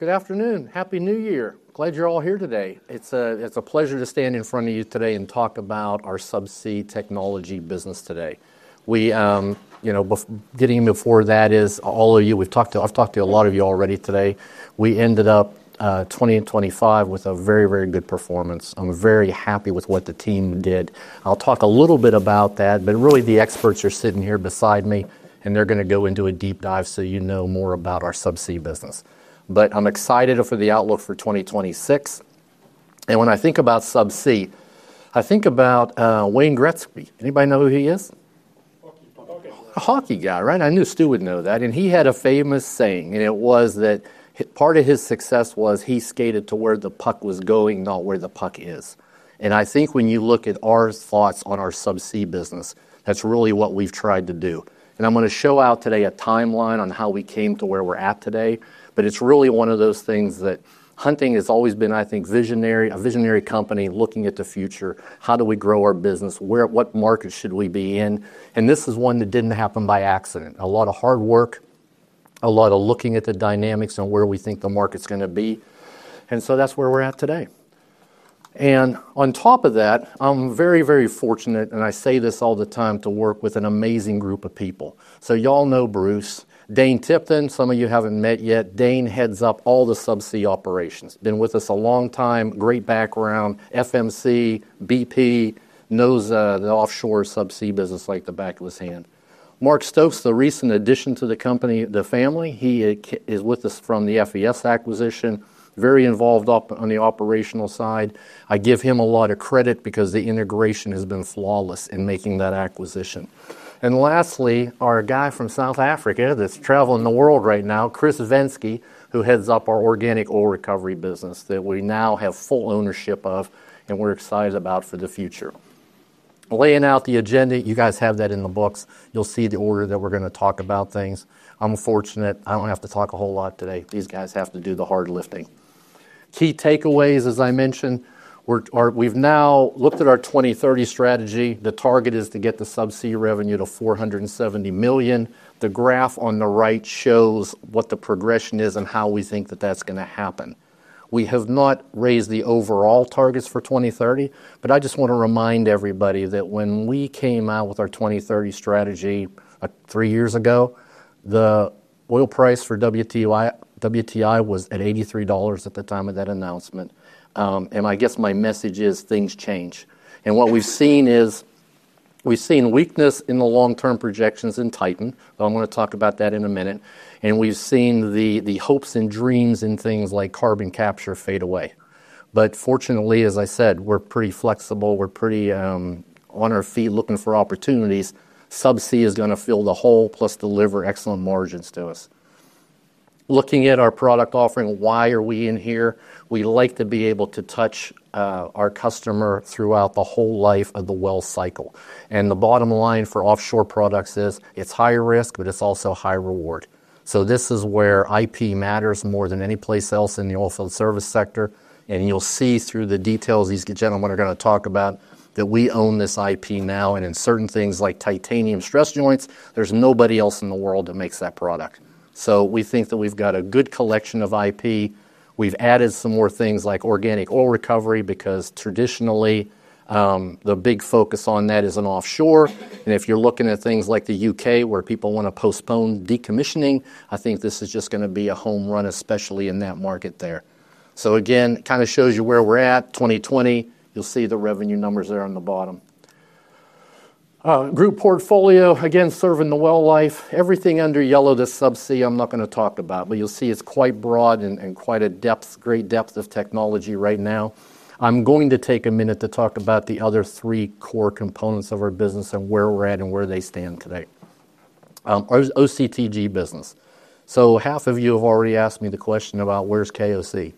Good afternoon. Happy New Year! Glad you're all here today. It's a pleasure to stand in front of you today and talk about our subsea technology business today. We, you know, before getting to that, all of you, we've talked to—I've talked to a lot of you already today. We ended up in twenty twenty-five with a very, very good performance. I'm very happy with what the team did. I'll talk a little bit about that, but really, the experts are sitting here beside me, and they're gonna go into a deep dive so you know more about our subsea business. But I'm excited for the outlook for twenty twenty-six, and when I think about subsea, I think about Wayne Gretzky. Anybody know who he is? Hockey player. A hockey guy, right? I knew Stu would know that, and he had a famous saying, and it was that part of his success was he skated to where the puck was going, not where the puck is. And I think when you look at our thoughts on our subsea business, that's really what we've tried to do. And I'm gonna lay out today a timeline on how we came to where we're at today. But it's really one of those things that Hunting has always been, I think, visionary, a visionary company looking at the future. How do we grow our business? Where, what markets should we be in? And this is one that didn't happen by accident. A lot of hard work, a lot of looking at the dynamics and where we think the market's gonna be, and so that's where we're at today. On top of that, I'm very, very fortunate, and I say this all the time, to work with an amazing group of people. Y'all know Bruce. Dane Tipton, some of you haven't met yet. Dane heads up all the subsea operations. Been with us a long time, great background, FMC, BP, knows the offshore subsea business like the back of his hand. Mark Stokes, the recent addition to the company, the family, he is with us from the FES acquisition, very involved up on the operational side. I give him a lot of credit because the integration has been flawless in making that acquisition. Lastly, our guy from South Africa that's traveling the world right now, Chris Venske, who heads up our Organic Oil Recovery business that we now have full ownership of and we're excited about for the future. Laying out the agenda, you guys have that in the books. You'll see the order that we're gonna talk about things. I'm fortunate, I don't have to talk a whole lot today. These guys have to do the hard lifting. Key takeaways, as I mentioned, we've now looked at our 2030 strategy. The target is to get the subsea revenue to $470 million. The graph on the right shows what the progression is and how we think that that's gonna happen. We have not raised the overall targets for 2030, but I just want to remind everybody that when we came out with our 2030 strategy three years ago, the oil price for WTI was at $83 at the time of that announcement. And I guess my message is: things change. What we've seen is, we've seen weakness in the long-term projections in Titan, but I'm gonna talk about that in a minute. We've seen the hopes and dreams in things like carbon capture fade away. Fortunately, as I said, we're pretty flexible, we're pretty on our feet, looking for opportunities. Subsea is gonna fill the hole, plus deliver excellent margins to us. Looking at our product offering, why are we in here? We like to be able to touch our customer throughout the whole life of the well cycle. The bottom line for offshore products is it's high risk, but it's also high reward. This is where IP matters more than any place else in the oilfield service sector, and you'll see through the details these gentlemen are gonna talk about, that we own this IP now, and in certain things like titanium stress joints, there's nobody else in the world that makes that product. We think that we've got a good collection of IP. We've added some more things like Organic Oil Recovery, because traditionally, the big focus on that is on offshore. And if you're looking at things like the U.K., where people want to postpone decommissioning, I think this is just gonna be a home run, especially in that market there. Again, kind of shows you where we're at, 2020. You'll see the revenue numbers there on the bottom. Group portfolio, again, serving the well life. Everything under yellow that's subsea, I'm not gonna talk about, but you'll see it's quite broad and quite a depth, great depth of technology right now. I'm going to take a minute to talk about the other three core components of our business and where we're at and where they stand today. Our OCTG business. So half of you have already asked me the question about where's KOC.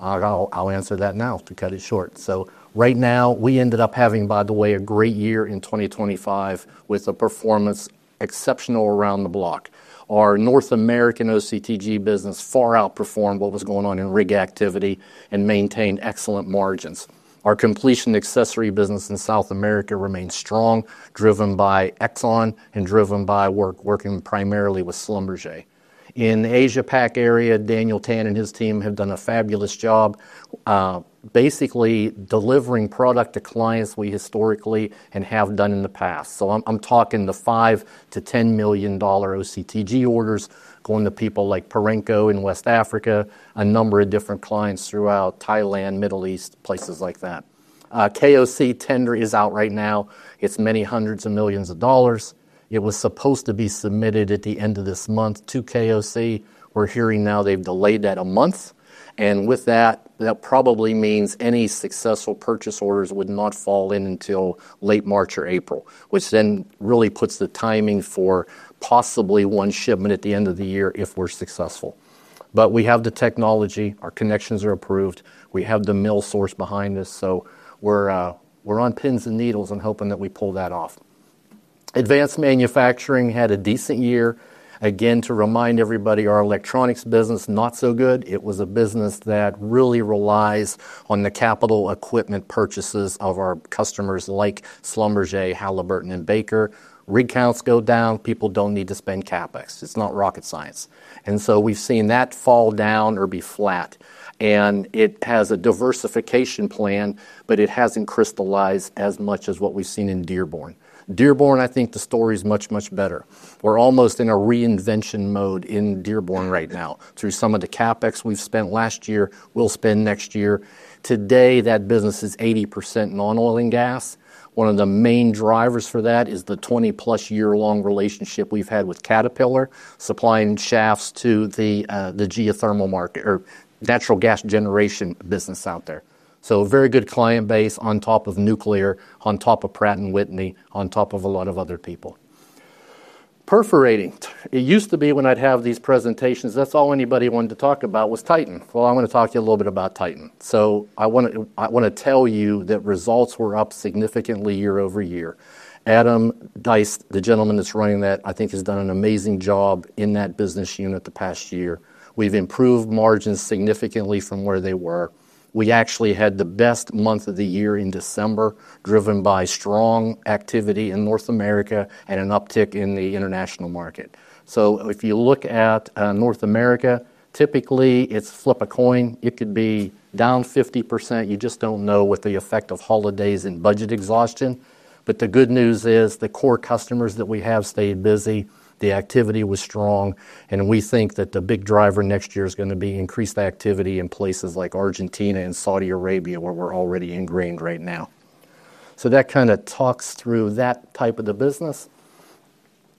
I'll answer that now to cut it short. So right now, we ended up having, by the way, a great year in 2025 with a performance exceptional around the block. Our North American OCTG business far outperformed what was going on in rig activity and maintained excellent margins. Our completion accessory business in South America remains strong, driven by Exxon and driven by work, working primarily with Schlumberger. In Asia Pac area, Daniel Tan and his team have done a fabulous job, basically delivering product to clients we historically and have done in the past. So I'm talking the $5-10 million OCTG orders, going to people like Perenco in West Africa, a number of different clients throughout Thailand, Middle East, places like that. KOC tender is out right now. It's many $100 of millions. It was supposed to be submitted at the end of this month to KOC. We're hearing now they've delayed that a month, and with that, that probably means any successful purchase orders would not fall in until late March or April, which then really puts the timing for possibly one shipment at the end of the year if we're successful. But we have the technology, our connections are approved, we have the mill source behind us, so we're on pins and needles and hoping that we pull that off. Advanced Manufacturing had a decent year. Again, to remind everybody, our electronics business, not so good. It was a business that really relies on the capital equipment purchases of our customers, like Schlumberger, Halliburton, and Baker. Rig counts go down, people don't need to spend CapEx. It's not rocket science. And so we've seen that fall down or be flat, and it has a diversification plan, but it hasn't crystallized as much as what we've seen in Dearborn. Dearborn, I think the story is much, much better. We're almost in a reinvention mode in Dearborn right now through some of the CapEx we've spent last year, we'll spend next year. Today, that business is 80% non-oil and gas. One of the main drivers for that is the 20-plus year-long relationship we've had with Caterpillar, supplying shafts to the geothermal market or natural gas generation business out there. So a very good client base on top of nuclear, on top of Pratt & Whitney, on top of a lot of other people. Perforating. It used to be when I'd have these presentations, that's all anybody wanted to talk about was Titan. Well, I'm going to talk to you a little bit about Titan. So I wanna, I wanna tell you that results were up significantly year over year. Adam Dice, the gentleman that's running that, I think, has done an amazing job in that business unit the past year. We've improved margins significantly from where they were. We actually had the best month of the year in December, driven by strong activity in North America and an uptick in the international market. So if you look at, North America, typically, it's flip a coin, it could be down 50%. You just don't know with the effect of holidays and budget exhaustion. But the good news is, the core customers that we have stayed busy, the activity was strong, and we think that the big driver next year is gonna be increased activity in places like Argentina and Saudi Arabia, where we're already ingrained right now. So that kinda talks through that type of the business.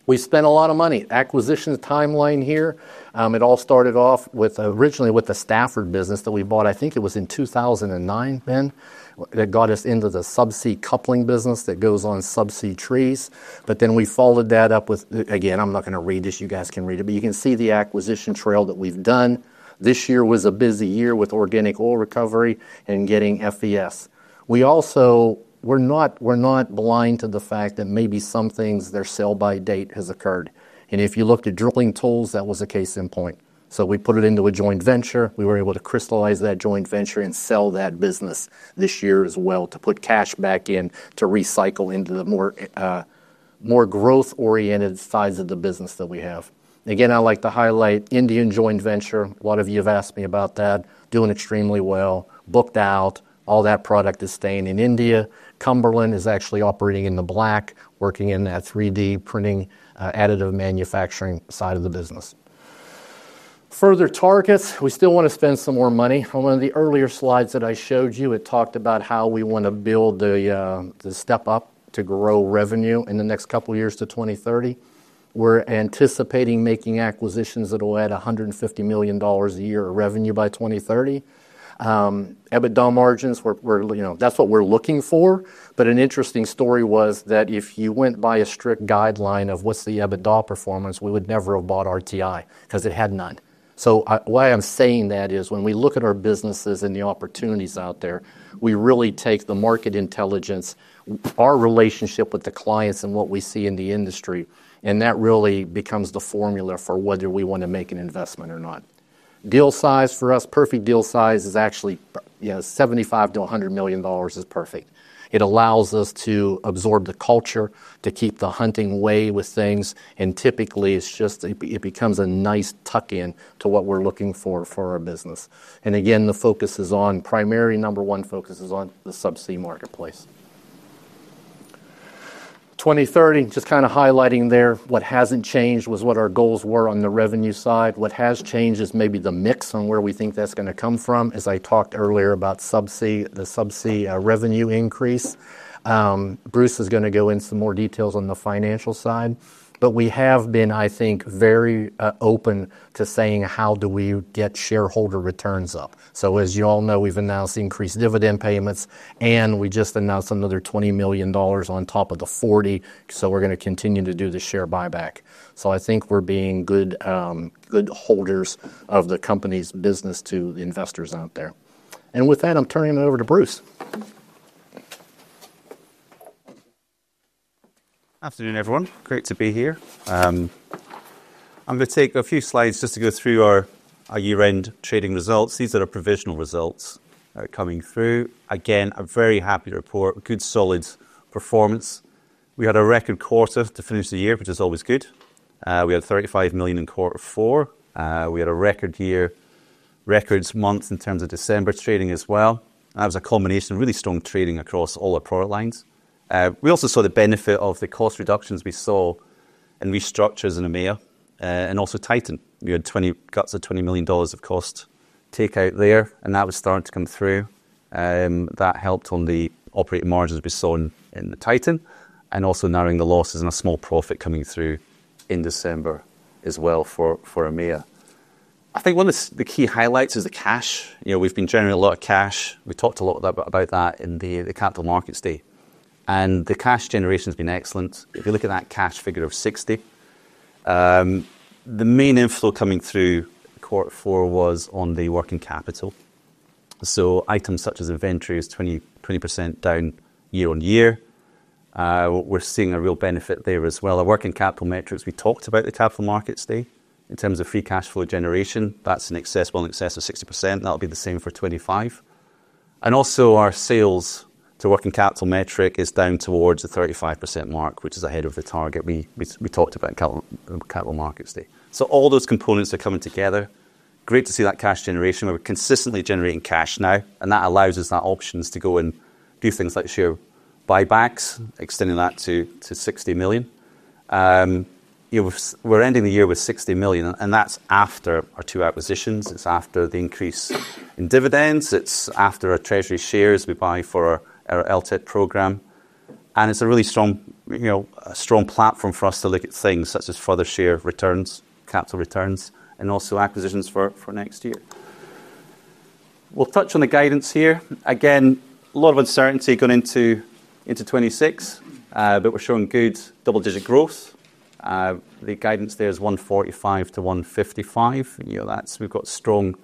We spent a lot of money. Acquisition timeline here. It all started off with originally with the Stafford business that we bought, I think it was in 2009, Ben, that got us into the subsea coupling business that goes on subsea trees, but then we followed that up with. Again, I'm not gonna read this. You guys can read it, but you can see the acquisition trail that we've done. This year was a busy year with Organic Oil Recovery and getting FES. We also we're not, we're not blind to the fact that maybe some things, their sell-by date has occurred, and if you looked at Drilling Tools, that was a case in point, so we put it into a joint venture. We were able to crystallize that joint venture and sell that business this year as well, to put cash back in, to recycle into the more, more growth-oriented sides of the business that we have. Again, I like to highlight Indian joint venture. A lot of you have asked me about that. Doing extremely well, booked out. All that product is staying in India. Cumberland is actually operating in the black, working in that 3D printing, additive manufacturing side of the business. Further targets, we still want to spend some more money. On one of the earlier slides that I showed you, it talked about how we want to build the, the step up to grow revenue in the next couple of years to 2030. We're anticipating making acquisitions that will add $150 million a year of revenue by 2030. EBITDA margins, we're, you know, that's what we're looking for. But an interesting story was that if you went by a strict guideline of what's the EBITDA performance, we would never have bought RTI because it had none. So why I'm saying that is when we look at our businesses and the opportunities out there, we really take the market intelligence, our relationship with the clients, and what we see in the industry, and that really becomes the formula for whether we want to make an investment or not. Deal size for us, perfect deal size is actually, yeah, $75-$100 million is perfect. It allows us to absorb the culture, to keep the Hunting way with things, and typically, it's just it becomes a nice tuck in to what we're looking for for our business. Again, the focus is on primary number one focus on the subsea marketplace. 2030, just kinda highlighting there. What hasn't changed was what our goals were on the revenue side. What has changed is maybe the mix on where we think that's gonna come from, as I talked earlier about subsea, the subsea revenue increase. Bruce is gonna go into some more details on the financial side, but we have been, I think, very open to saying, how do we get shareholder returns up. As you all know, we've announced increased dividend payments, and we just announced another $20 million on top of the $40 million. We're gonna continue to do the share buyback. I think we're being good holders of the company's business to the investors out there. With that, I'm turning it over to Bruce. Afternoon, everyone. Great to be here. I'm gonna take a few slides just to go through our year-end trading results. These are our provisional results coming through. Again, I'm very happy to report a good, solid performance. We had a record quarter to finish the year, which is always good. We had $35 million in quarter four. We had a record year, record month in terms of December trading as well. That was a combination of really strong trading across all our product lines. We also saw the benefit of the cost reductions we saw in restructures in EMEA and also Titan. We had the guts of $20 million of cost take out there, and that was starting to come through. That helped on the operating margins we saw in the Titan, and also narrowing the losses and a small profit coming through in December as well for EMEA. I think one of the key highlights is the cash. You know, we've been generating a lot of cash. We talked a lot about that in the capital markets day, and the cash generation's been excellent. If you look at that cash figure of $60, the main inflow coming through quarter four was on the working capital. So items such as inventory is 20% down year-on-year. We're seeing a real benefit there as well. Our working capital metrics, we talked about the Capital Markets Day. In terms of free cash flow generation, that's in excess, well, in excess of 60%. That'll be the same for 2025. Our sales to working capital metric is down towards the 35% mark, which is ahead of the target we talked about in Capital Markets Day. So all those components are coming together. Great to see that cash generation. We're consistently generating cash now, and that allows us options to go and do things like share buybacks, extending that to 60 million. You know, we're ending the year with 60 million, and that's after our two acquisitions. It's after the increase in dividends. It's after our treasury shares we buy for our LTIP program. And it's a really strong, you know, a strong platform for us to look at things such as further share returns, capital returns, and also acquisitions for next year. We'll touch on the guidance here. Again, a lot of uncertainty going into 2026, but we're showing good double-digit growth. The guidance there is $145-$155. You know, that's... We've got strong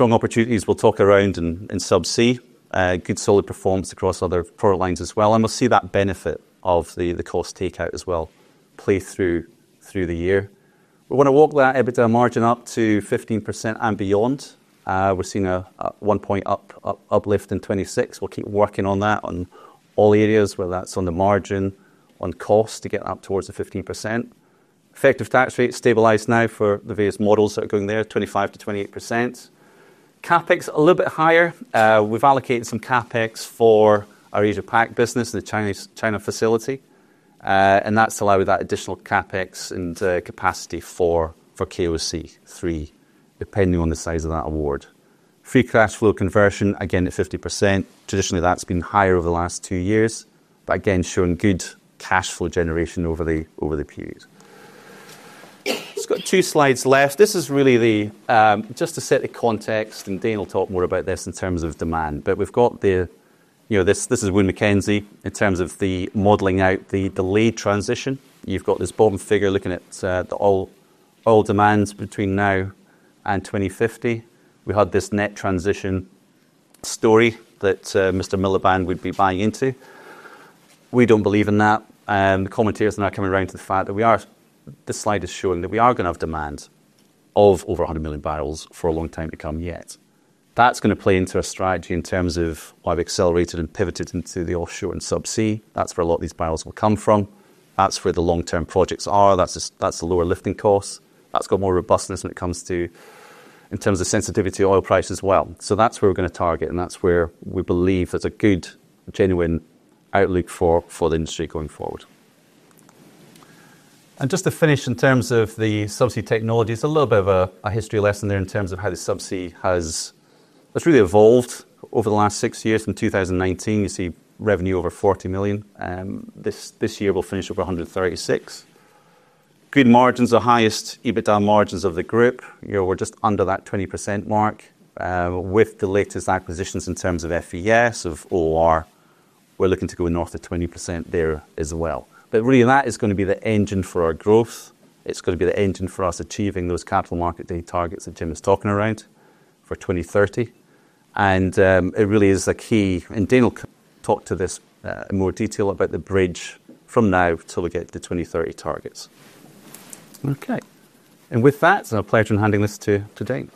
opportunities we'll talk around in subsea. Good solid performance across other product lines as well, and we'll see that benefit of the cost takeout as well play through the year. We wanna walk that EBITDA margin up to 15% and beyond. We're seeing a one-point uplift in 2026. We'll keep working on that on all areas, whether that's on the margin, on cost, to get up towards the 15%. Effective tax rate stabilized now for the various models that are going there, 25%-28%. CapEx, a little bit higher. We've allocated some CapEx for our Asia Pac business and the China facility, and that's allowed that additional CapEx and capacity for KOC three, depending on the size of that award. Free cash flow conversion, again, at 50%. Traditionally, that's been higher over the last two years, but again, showing good cash flow generation over the period. Just got two slides left. This is really the... Just to set the context, and Dane will talk more about this in terms of demand, but we've got, you know, this is Wood Mackenzie in terms of the modeling out the delayed transition. You've got this bottom figure looking at the oil demands between now and 2050. We had this net transition story that Mr. Miliband would be buying into. We don't believe in that, the commentators are now coming around to the fact that we are, this slide is showing that we are gonna have demand of over a 100 million barrels for a long time to come yet. That's gonna play into our strategy in terms of why we've accelerated and pivoted into the offshore and subsea. That's where a lot of these barrels will come from. That's where the long-term projects are. That's just, that's the lower lifting costs. That's got more robustness when it comes to in terms of sensitivity to oil price as well. So that's where we're gonna target, and that's where we believe there's a good, genuine outlook for the industry going forward. Just to finish, in terms of the subsea technology, it's a little bit of a history lesson there in terms of how the subsea has really evolved over the last six years. From 2019, you see revenue over $40 million. This year will finish over $136 million. Good margins, the highest EBITDA margins of the group. You know, we're just under that 20% mark. With the latest acquisitions in terms of FES, of OOR, we're looking to go north of 20% there as well. But really, that is gonna be the engine for our growth. It's gonna be the engine for us achieving those Capital Market Day targets that Jim was talking around for 2030. And, it really is the key, and Dane will talk to this in more detail about the bridge from now till we get to the 2030 targets. Okay, and with that, it's my pleasure in handing this to Dane.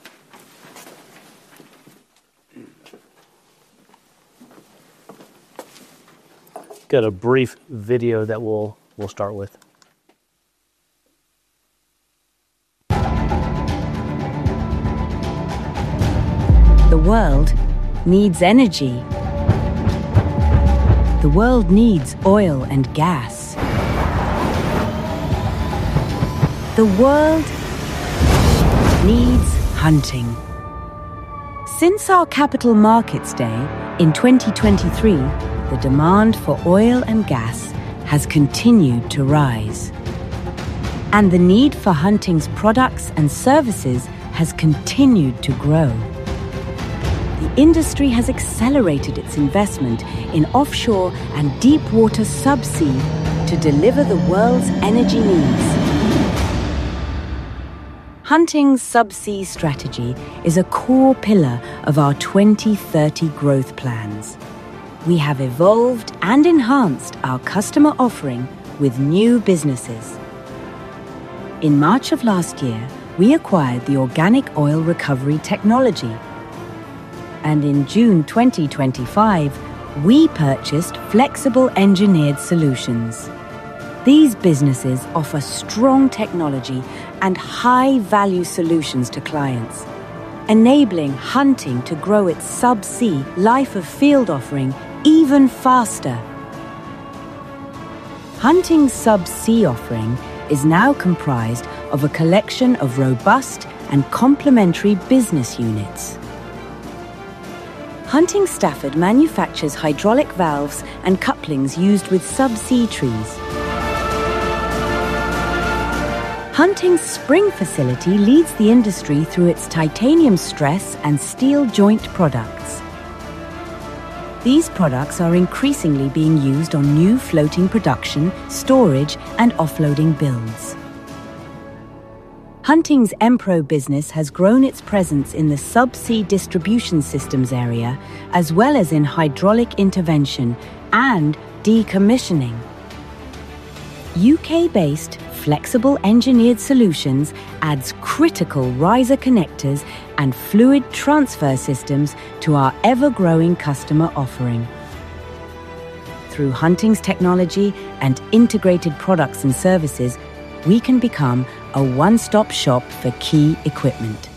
Got a brief video that we'll start with. The world needs energy. The world needs oil and gas. The world needs Hunting. Since our Capital Markets Day in 2023, the demand for oil and gas has continued to rise, and the need for Hunting's products and services has continued to grow. The industry has accelerated its investment in offshore and deepwater subsea to deliver the world's energy needs. Hunting's subsea strategy is a core pillar of our 2030 growth plans. We have evolved and enhanced our customer offering with new businesses. In March of last year, we acquired the Organic Oil Recovery technology, and in June 2025, we purchased Flexible Engineered Solutions. These businesses offer strong technology and high-value solutions to clients, enabling Hunting to grow its subsea life-of-field offering even faster. Hunting's subsea offering is now comprised of a collection of robust and complementary business units. Hunting Stafford manufactures hydraulic valves and couplings used with subsea trees. Hunting Spring facility leads the industry through its titanium stress joints and steel joint products. ... These products are increasingly being used on new floating production, storage, and offloading builds. Hunting's Enpro business has grown its presence in the subsea distribution systems area, as well as in hydraulic intervention and decommissioning. UK-based Flexible Engineered Solutions adds critical riser connectors and fluid transfer systems to our ever-growing customer offering. Through Hunting's technology and integrated products and services, we can become a one-stop shop for key equipment.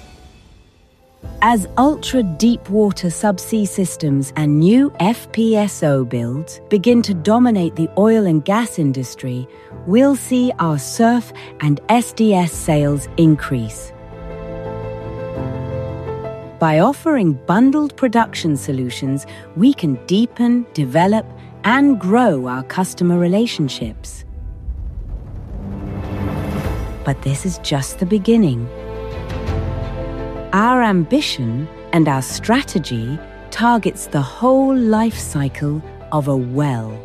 As ultra-deepwater subsea systems and new FPSO builds begin to dominate the oil and gas industry, we'll see our SURF and SDS sales increase. By offering bundled production solutions, we can deepen, develop, and grow our customer relationships. But this is just the beginning. Our ambition and our strategy targets the whole life cycle of a well,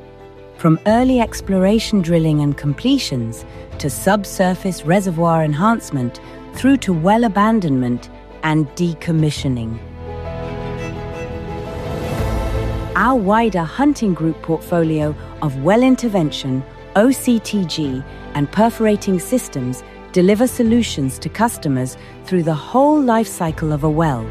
from early exploration, drilling, and completions, to subsurface reservoir enhancement, through to well abandonment and decommissioning. Our wider Hunting group portfolio of well intervention, OCTG, and perforating systems deliver solutions to customers through the whole lifecycle of a well.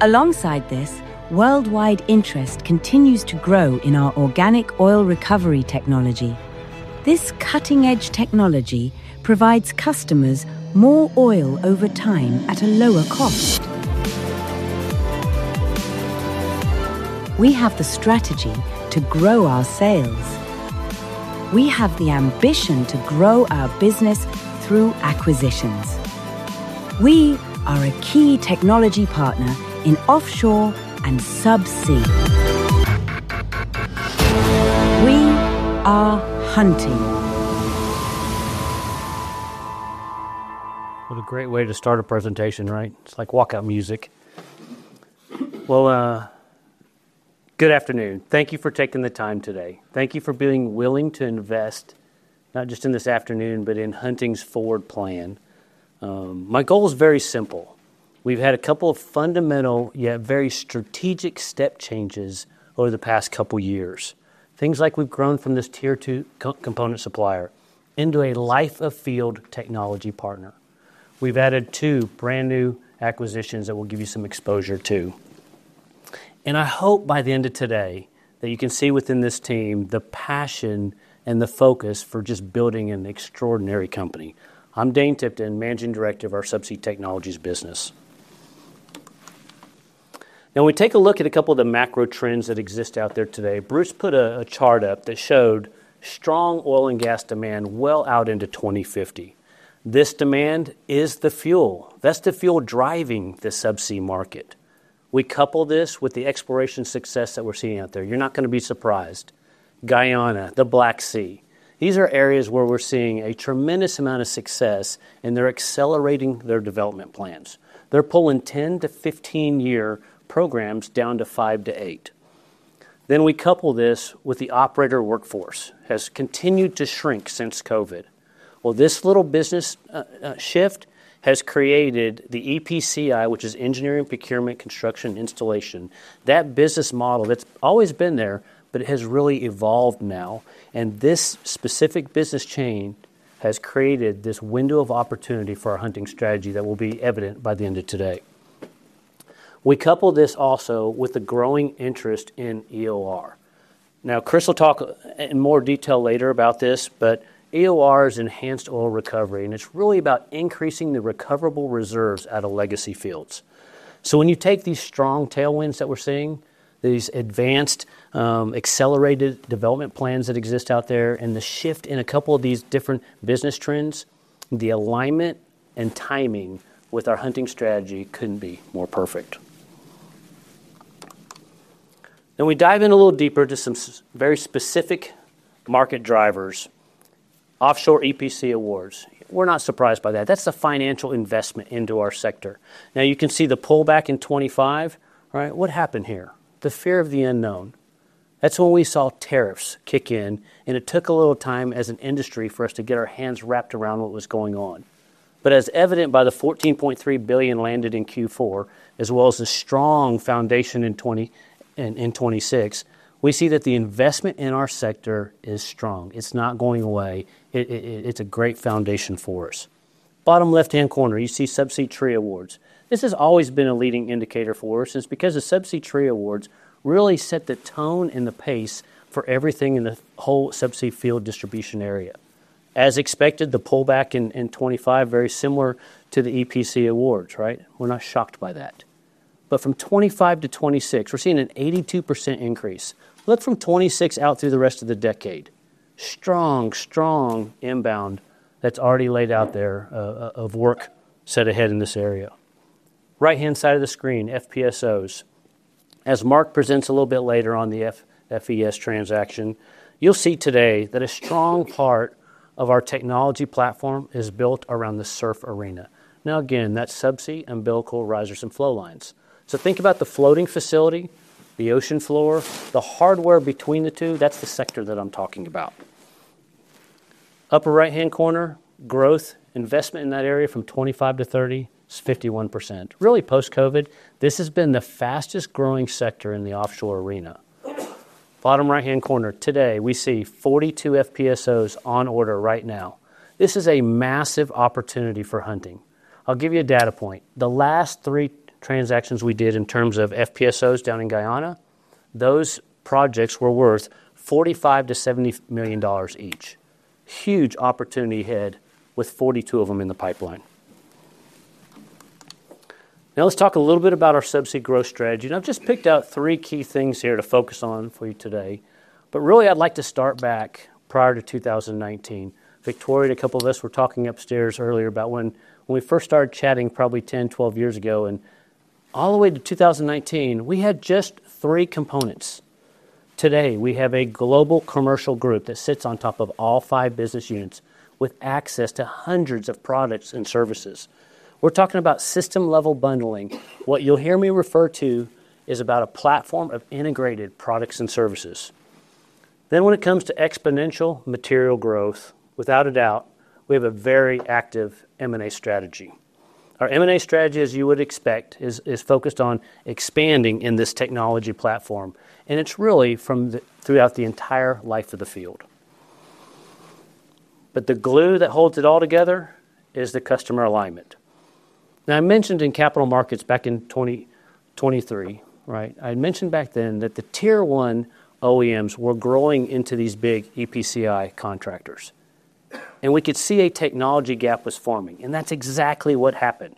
Alongside this, worldwide interest continues to grow in our Organic Oil Recovery technology. This cutting-edge technology provides customers more oil over time at a lower cost. We have the strategy to grow our sales. We have the ambition to grow our business through acquisitions. We are a key technology partner in offshore and subsea. We are Hunting! What a great way to start a presentation, right? It's like walk-out music. Good afternoon. Thank you for taking the time today. Thank you for being willing to invest, not just in this afternoon, but in Hunting's forward plan. My goal is very simple. We've had a couple of fundamental, yet very strategic step changes over the past couple years. Things like we've grown from this Tier 2 sub-component supplier into a life-of-field technology partner. We've added two brand-new acquisitions that we'll give you some exposure to. I hope by the end of today, that you can see within this team the passion and the focus for just building an extraordinary company. I'm Dane Tipton, Managing Director of our Subsea Technologies business. Now, when we take a look at a couple of the macro trends that exist out there today, Bruce put a chart up that showed strong oil and gas demand well out into 2050. This demand is the fuel. That's the fuel driving the subsea market. We couple this with the exploration success that we're seeing out there. You're not gonna be surprised. Guyana, the Black Sea, these are areas where we're seeing a tremendous amount of success, and they're accelerating their development plans. They're pulling 10- to 15-year programs down to five- to eight. Then we couple this with the operator workforce has continued to shrink since COVID. Well, this little business shift has created the EPCI, which is engineering, procurement, construction, installation. That business model, that's always been there, but it has really evolved now, and this specific business chain has created this window of opportunity for our Hunting strategy that will be evident by the end of today. We couple this also with the growing interest in EOR. Now, Chris will talk in more detail later about this, but EOR is enhanced oil recovery, and it's really about increasing the recoverable reserves out of legacy fields. So when you take these strong tailwinds that we're seeing, these advanced, accelerated development plans that exist out there, and the shift in a couple of these different business trends, the alignment and timing with our Hunting strategy couldn't be more perfect. Then we dive in a little deeper to some very specific market drivers. Offshore EPC awards. We're not surprised by that. That's the financial investment into our sector. Now, you can see the pullback in 2025, right? What happened here? The fear of the unknown. That's when we saw tariffs kick in, and it took a little time as an industry for us to get our hands wrapped around what was going on. But as evident by the $14.3 billion landed in Q4, as well as the strong foundation in 20... in 2026, we see that the investment in our sector is strong. It's not going away. It's a great foundation for us. Bottom left-hand corner, you see Subsea Tree awards. This has always been a leading indicator for us, is because the Subsea tree awards really set the tone and the pace for everything in the whole subsea field distribution area. As expected, the pullback in 2025, very similar to the EPC awards, right? We're not shocked by that. But from 2025 to 2026, we're seeing an 82% increase. Look from 2026 out through the rest of the decade. Strong, strong inbound that's already laid out there of work set ahead in this area. Right-hand side of the screen, FPSOs. As Mark presents a little bit later on the FES transaction, you'll see today that a strong part of our technology platform is built around the SURF arena. Now, again, that's subsea, umbilical, risers, and flow lines. So think about the floating facility, the ocean floor, the hardware between the two, that's the sector that I'm talking about. Upper right-hand corner, growth, investment in that area from 2025 to 2030 is 51%. Really, post-COVID, this has been the fastest-growing sector in the offshore arena. Bottom right-hand corner, today, we see 42 FPSOs on order right now. This is a massive opportunity for Hunting. I'll give you a data point. The last three transactions we did in terms of FPSOs down in Guyana, those projects were worth $45-$70 million each. Huge opportunity ahead, with 42 of them in the pipeline. Now, let's talk a little bit about our subsea growth strategy, and I've just picked out three key things here to focus on for you today. But really, I'd like to start back prior to 2019. Victoria and a couple of us were talking upstairs earlier about when we first started chatting probably 10, 12 years ago, and all the way to 2019, we had just three components. Today, we have a global commercial group that sits on top of all five business units, with access to 100 of products and services. We're talking about system-level bundling. What you'll hear me refer to is about a platform of integrated products and services. Then, when it comes to exponential material growth, without a doubt, we have a very active M&A strategy. Our M&A strategy, as you would expect, is focused on expanding in this technology platform, and it's really throughout the entire life of the field. But the glue that holds it all together is the customer alignment. Now, I mentioned in capital markets back in 2023, right? I had mentioned back then that the Tier 1 OEMs were growing into these big EPCI contractors, and we could see a technology gap was forming, and that's exactly what happened.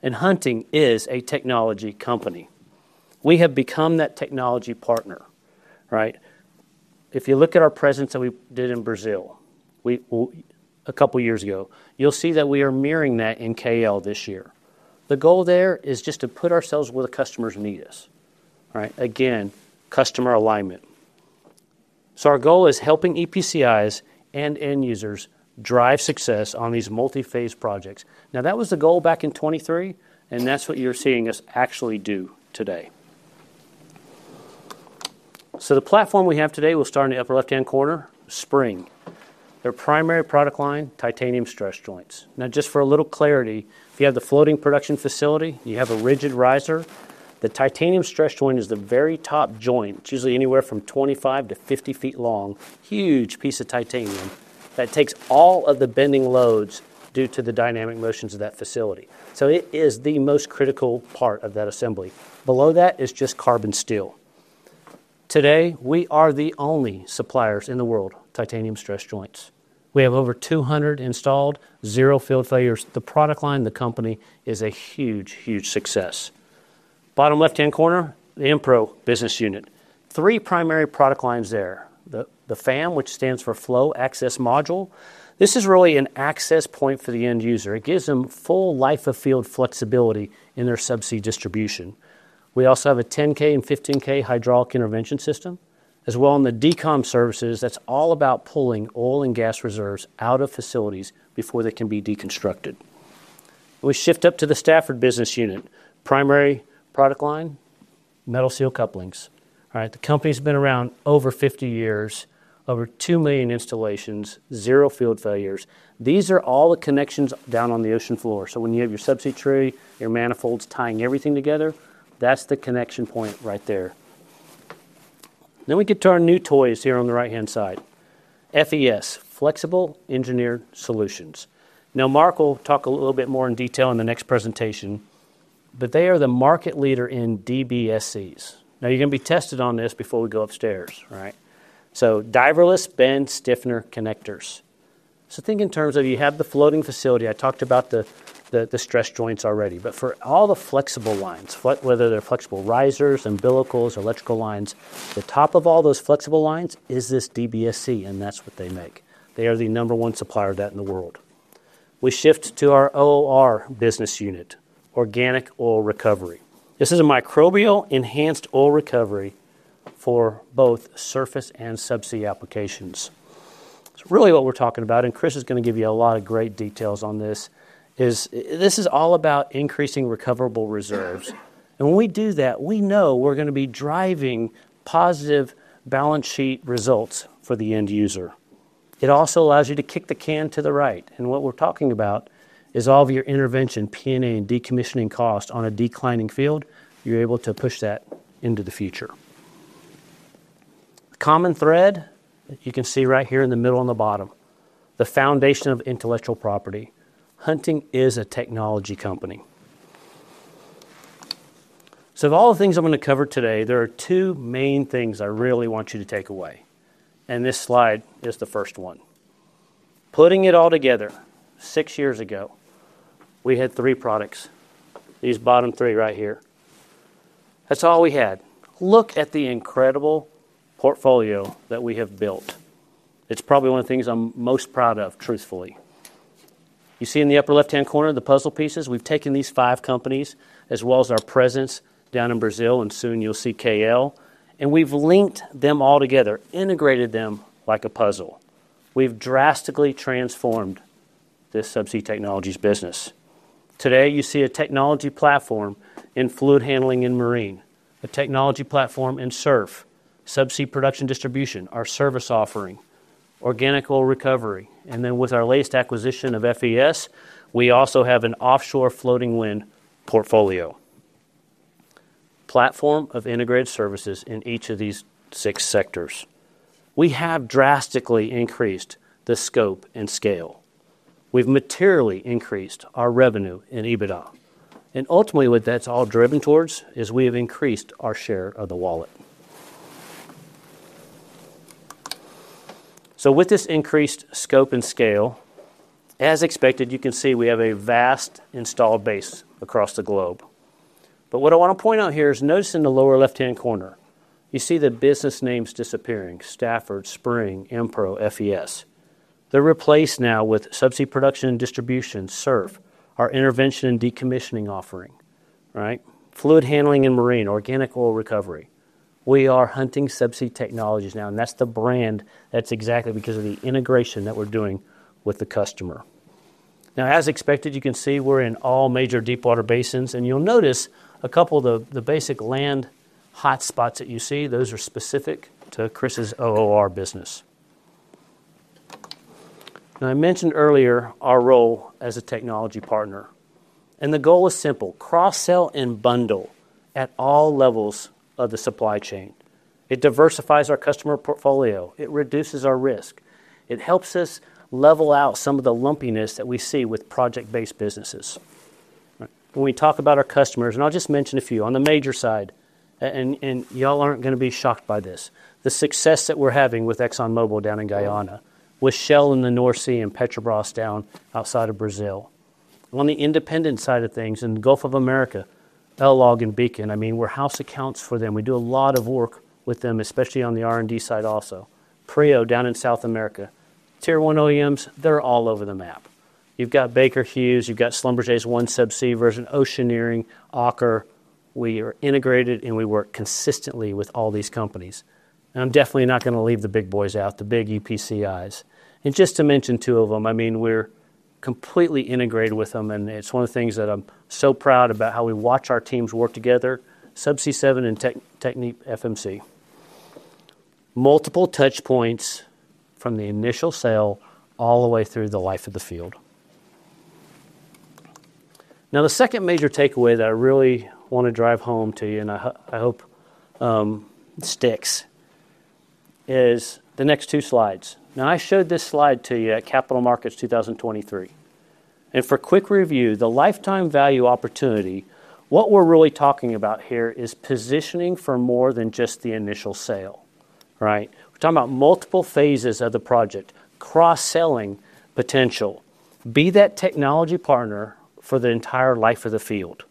And Hunting is a technology company. We have become that technology partner, right? If you look at our presence that we did in Brazil, we, a couple of years ago, you'll see that we are mirroring that in KL this year. The goal there is just to put ourselves where the customers need us. All right. Again, customer alignment. So our goal is helping EPCIs and end users drive success on these multi-phase projects. Now, that was the goal back in 2023, and that's what you're seeing us actually do today. So the platform we have today, we'll start in the upper left-hand corner, Spring. Their primary product line, titanium stress joints. Now, just for a little clarity, if you have the floating production facility, you have a rigid riser. The titanium stress joint is the very top joint. It's usually anywhere from 25 to 50 feet long, huge piece of titanium that takes all of the bending loads due to the dynamic motions of that facility. So it is the most critical part of that assembly. Below that is just carbon steel. Today, we are the only suppliers in the world, titanium stress joints. We have over 200 installed, zero field failures. The product line, the company, is a huge, huge success. Bottom left-hand corner, the Enpro business unit. Three primary product lines there. The FAM, which stands for Flow Access Module. This is really an access point for the end user. It gives them full life of field flexibility in their subsea distribution. We also have a 10K and 15K hydraulic intervention system, as well on the DECOM services, that's all about pulling oil and gas reserves out of facilities before they can be deconstructed. We shift up to the Stafford business unit. Primary product line, metal seal couplings. All right, the company's been around over 50 years, over two million installations, zero field failures. These are all the connections down on the ocean floor, so when you have your subsea tree, your manifolds tying everything together, that's the connection point right there, then we get to our new toys here on the right-hand side, FES, Flexible Engineered Solutions. Now, Mark will talk a little bit more in detail in the next presentation, but they are the market leader in DBSCs. Now, you're going to be tested on this before we go upstairs, all right, so diverless bend stiffener connectors, so think in terms of you have the floating facility. I talked about the stress joints already, but for all the flexible lines, whether they're flexible risers, umbilicals, electrical lines, the top of all those flexible lines is this DBSC, and that's what they make. They are the number one supplier of that in the world. We shift to our OOR business unit, Organic Oil Recovery. This is a microbial-enhanced oil recovery for both surface and subsea applications. So really, what we're talking about, and Chris is going to give you a lot of great details on this, is this is all about increasing recoverable reserves. And when we do that, we know we're going to be driving positive balance sheet results for the end user. It also allows you to kick the can to the right, and what we're talking about is all of your intervention, P&A, and decommissioning costs on a declining field. You're able to push that into the future. Common thread, you can see right here in the middle, on the bottom, the foundation of intellectual property. Hunting is a technology company. So of all the things I'm going to cover today, there are two main things I really want you to take away, and this slide is the first one. Putting it all together, six years ago, we had three products, these bottom three right here. That's all we had. Look at the incredible portfolio that we have built. It's probably one of the things I'm most proud of, truthfully. You see in the upper left-hand corner, the puzzle pieces? We've taken these five companies, as well as our presence down in Brazil, and soon you'll see KL, and we've linked them all together, integrated them like a puzzle. We've drastically transformed this subsea technologies business. Today, you see a technology platform in fluid handling and marine, a technology platform in SURF, subsea production distribution, our service offering, Organic Oil Recovery, and then with our latest acquisition of FES, we also have an offshore floating wind portfolio. Platform of integrated services in each of these six sectors. We have drastically increased the scope and scale. We've materially increased our revenue and EBITDA, and ultimately, what that's all driven towards is we have increased our share of the wallet, so with this increased scope and scale, as expected, you can see we have a vast installed base across the globe. But what I want to point out here is notice in the lower left-hand corner, you see the business names disappearing, Stafford, Spring, Enpro, FES. They're replaced now with subsea production and distribution, SURF, our intervention and decommissioning offering, right? Fluid handling and marine, Organic Oil Recovery. We are Hunting Subsea Technologies now, and that's the brand. That's exactly because of the integration that we're doing with the customer. Now, as expected, you can see we're in all major deepwater basins, and you'll notice a couple of the basin land hotspots that you see, those are specific to Chris's OOR business. Now, I mentioned earlier our role as a technology partner, and the goal is simple: cross-sell and bundle at all levels of the supply chain. It diversifies our customer portfolio, it reduces our risk, it helps us level out some of the lumpiness that we see with project-based businesses. When we talk about our customers, and I'll just mention a few, on the major side, and y'all aren't gonna be shocked by this, the success that we're having with ExxonMobil down in Guyana, with Shell in the North Sea and Petrobras down outside of Brazil. On the independent side of things, in the Gulf of America, LLOG and Beacon, I mean, we're house accounts for them. We do a lot of work with them, especially on the R&D side also. Prio, down in South America. Tier 1 OEMs, they're all over the map. You've got Baker Hughes, you've got Schlumberger's OneSubsea version, Oceaneering, Aker. We are integrated, and we work consistently with all these companies. And I'm definitely not gonna leave the big boys out, the big EPCIs. And just to mention two of them, I mean, we're completely integrated with them, and it's one of the things that I'm so proud about how we watch our teams work together, Subsea 7 and TechnipFMC. Multiple touch points from the initial sale all the way through the life of the field. Now, the second major takeaway that I really want to drive home to you, and I hope sticks, is the next two slides. Now, I showed this slide to you at Capital Markets 2023, and for quick review, the lifetime value opportunity, what we're really talking about here is positioning for more than just the initial sale. Right? We're talking about multiple phases of the project, cross-selling potential. Be that technology partner for the entire life of the field,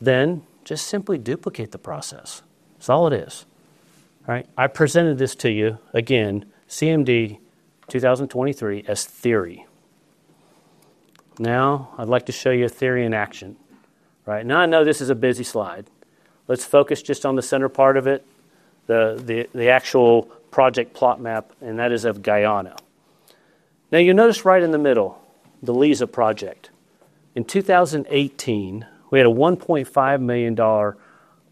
then just simply duplicate the process. That's all it is. All right? I presented this to you again, CMD 2023, as theory. Now, I'd like to show you a theory in action. Right, now, I know this is a busy slide. Let's focus just on the center part of it, the actual project plot map, and that is of Guyana. Now, you'll notice right in the middle, the Liza project. In 2018, we had a $1.5 million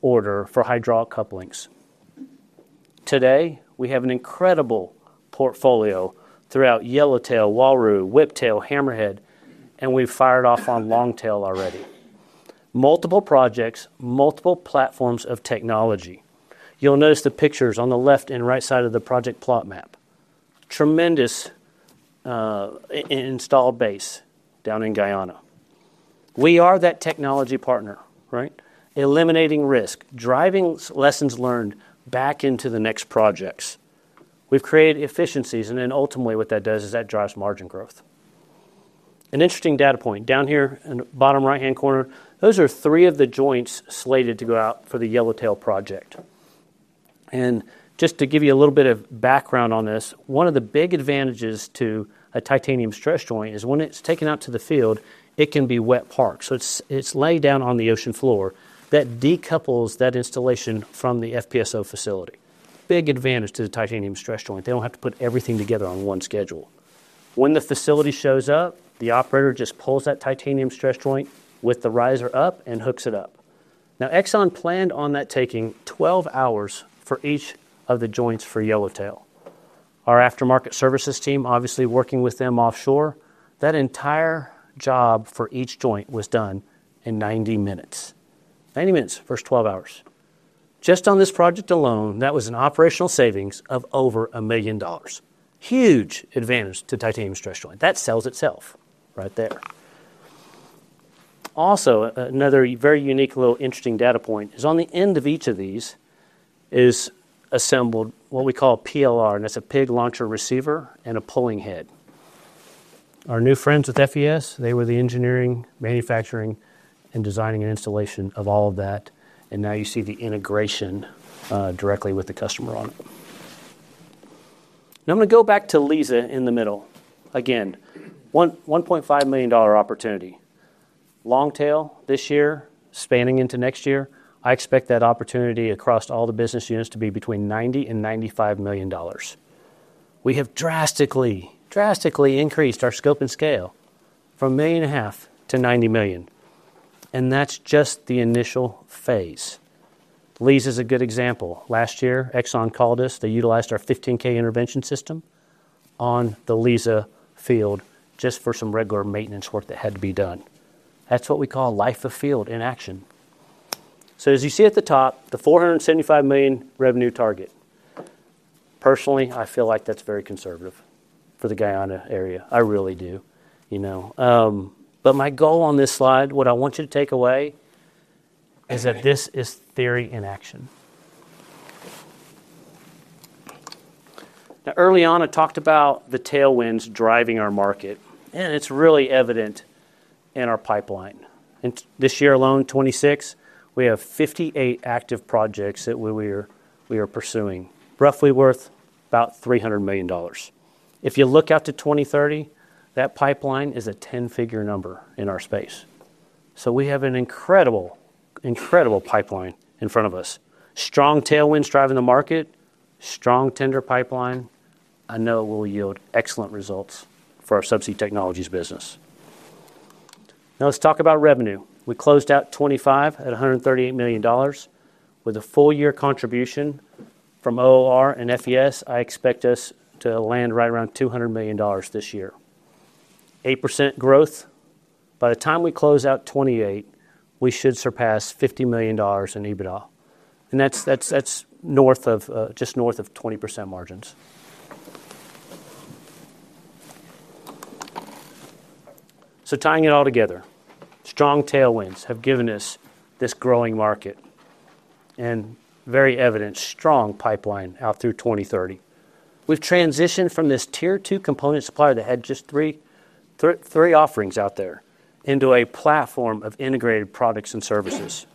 order for hydraulic couplings. Today, we have an incredible portfolio throughout Yellowtail, Uaru, Whiptail, Hammerhead, and we've fired off on Longtail already. Multiple projects, multiple platforms of technology. You'll notice the pictures on the left and right side of the project plot map. Tremendous installed base down in Guyana. We are that technology partner, right? Eliminating risk, driving lessons learned back into the next projects. We've created efficiencies, and then ultimately, what that does is that drives margin growth. An interesting data point, down here in the bottom right-hand corner, those are three of the joints slated to go out for the Yellowtail project. Just to give you a little bit of background on this, one of the big advantages to a titanium stress joint is when it's taken out to the field, it can be wet parked. So it's laid down on the ocean floor. That decouples that installation from the FPSO facility. Big advantage to the titanium stress joint. They don't have to put everything together on one schedule. When the facility shows up, the operator just pulls that titanium stress joint with the riser up and hooks it up. Now, Exxon planned on that taking 12 hours for each of the joints for Yellowtail. Our aftermarket services team, obviously working with them offshore, that entire job for each joint was done in 90 minutes. 90 minutes, first twelve hours. Just on this project alone, that was an operational savings of over $1 million. Huge advantage to titanium stress joint. That sells itself right there. Also, another very unique, little interesting data point is on the end of each of these is assembled what we call a PLR, and that's a pig launcher and receiver and a pulling head. Our new friends at FES, they were the engineering, manufacturing, and designing and installation of all of that, and now you see the integration directly with the customer on it. Now, I'm gonna go back to Liza in the middle. Again, one point five million dollar opportunity. Longtail this year, spanning into next year, I expect that opportunity across all the business units to be between $90 million and $95 million. We have drastically, drastically increased our scope and scale from $1.5 million to $90 million, and that's just the initial phase. Liza is a good example. Last year, Exxon called us. They utilized our 15K intervention system on the Liza field just for some regular maintenance work that had to be done. That's what we call life of field in action. So as you see at the top, the $475 million revenue target. Personally, I feel like that's very conservative for the Guyana area. I really do, you know. But my goal on this slide, what I want you to take away, is that this is theory in action. Now, early on, I talked about the tailwinds driving our market, and it's really evident in our pipeline. And this year alone, 2026, we have 58 active projects that we are pursuing, roughly worth about $300 million. If you look out to 2030, that pipeline is a ten-figure number in our space. So we have an incredible, incredible pipeline in front of us. Strong tailwinds driving the market, strong tender pipeline. I know it will yield excellent results for our subsea technologies business. Now, let's talk about revenue. We closed out 2025 at $138 million. With a full year contribution from OOR and FES, I expect us to land right around $200 million this year. 8% growth. By the time we close out 2028, we should surpass $50 million in EBITDA, and that's just north of 20% margins. So tying it all together, strong tailwinds have given us this growing market and very evident strong pipeline out through 2030. We've transitioned from this Tier 2 component supplier that had just three offerings out there into a platform of integrated products and services.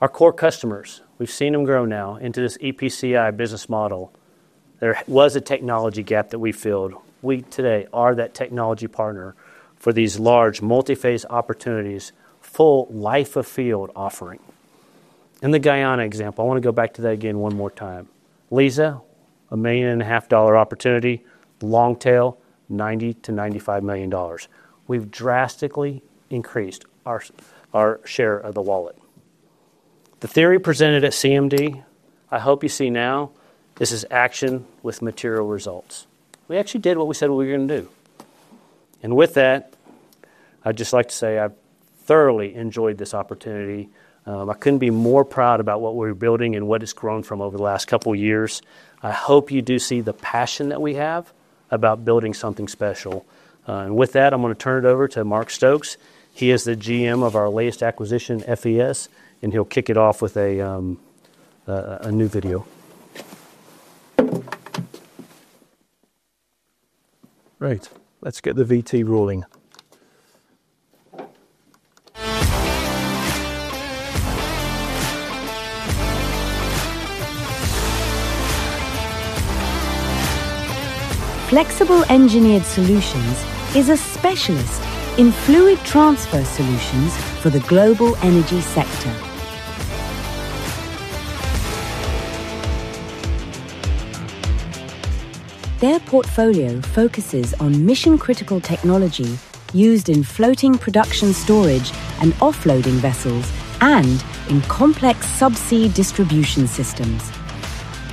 Our core customers, we've seen them grow now into this EPCI business model. There was a technology gap that we filled. We today are that technology partner for these large, multi-phase opportunities, full life of field offering. In the Guyana example, I want to go back to that again one more time. Liza, a $1.5 million opportunity, Longtail, $90-$95 million. We've drastically increased our share of the wallet. The theory presented at CMD, I hope you see now this is action with material results. We actually did what we said we were gonna do. And with that, I'd just like to say I've thoroughly enjoyed this opportunity. I couldn't be more proud about what we're building and what it's grown from over the last couple of years. I hope you do see the passion that we have about building something special. And with that, I'm gonna turn it over to Mark Stokes. He is the GM of our latest acquisition, FES, and he'll kick it off with a new video. Right. Let's get the VT rolling. Flexible Engineered Solutions is a specialist in fluid transfer solutions for the global energy sector. Their portfolio focuses on mission-critical technology used in floating production storage and offloading vessels and in complex subsea distribution systems.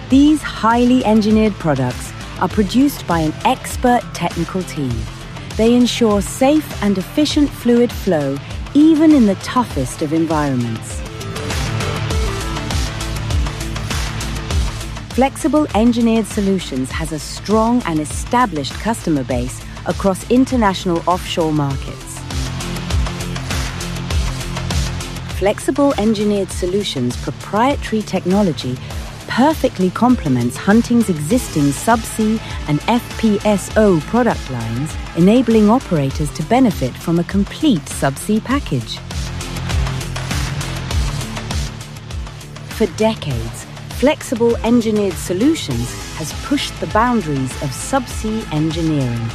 These highly engineered products are produced by an expert technical team. They ensure safe and efficient fluid flow, even in the toughest of environments. Flexible Engineered Solutions has a strong and established customer base across international offshore markets. Flexible Engineered Solutions' proprietary technology perfectly complements Hunting's existing subsea and FPSO product lines, enabling operators to benefit from a complete subsea package. For decades, Flexible Engineered Solutions has pushed the boundaries of subsea engineering.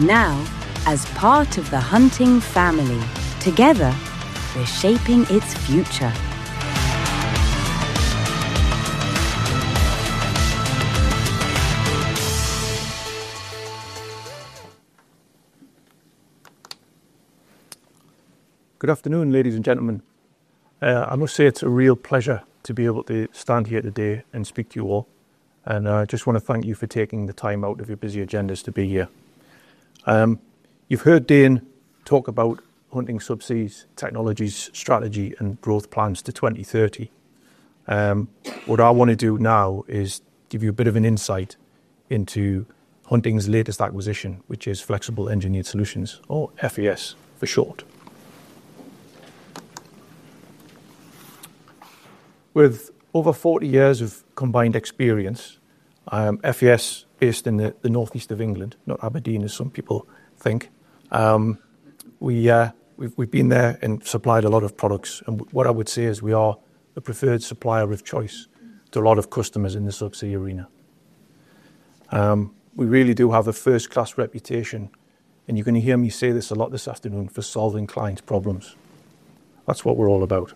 Now, as part of the Hunting family, together, we're shaping its future. Good afternoon, ladies and gentlemen. I must say it's a real pleasure to be able to stand here today and speak to you all, and I just want to thank you for taking the time out of your busy agendas to be here. You've heard Dane talk about Hunting Subsea's technologies, strategy, and growth plans to 2030. What I want to do now is give you a bit of an insight into Hunting's latest acquisition, which is Flexible Engineered Solutions, or FES for short. With over 40 years of combined experience, FES, based in the North East England, not Aberdeen, as some people think, we've been there and supplied a lot of products. What I would say is we are the preferred supplier of choice to a lot of customers in the subsea arena. We really do have a first-class reputation, and you're going to hear me say this a lot this afternoon, for solving clients' problems. That's what we're all about.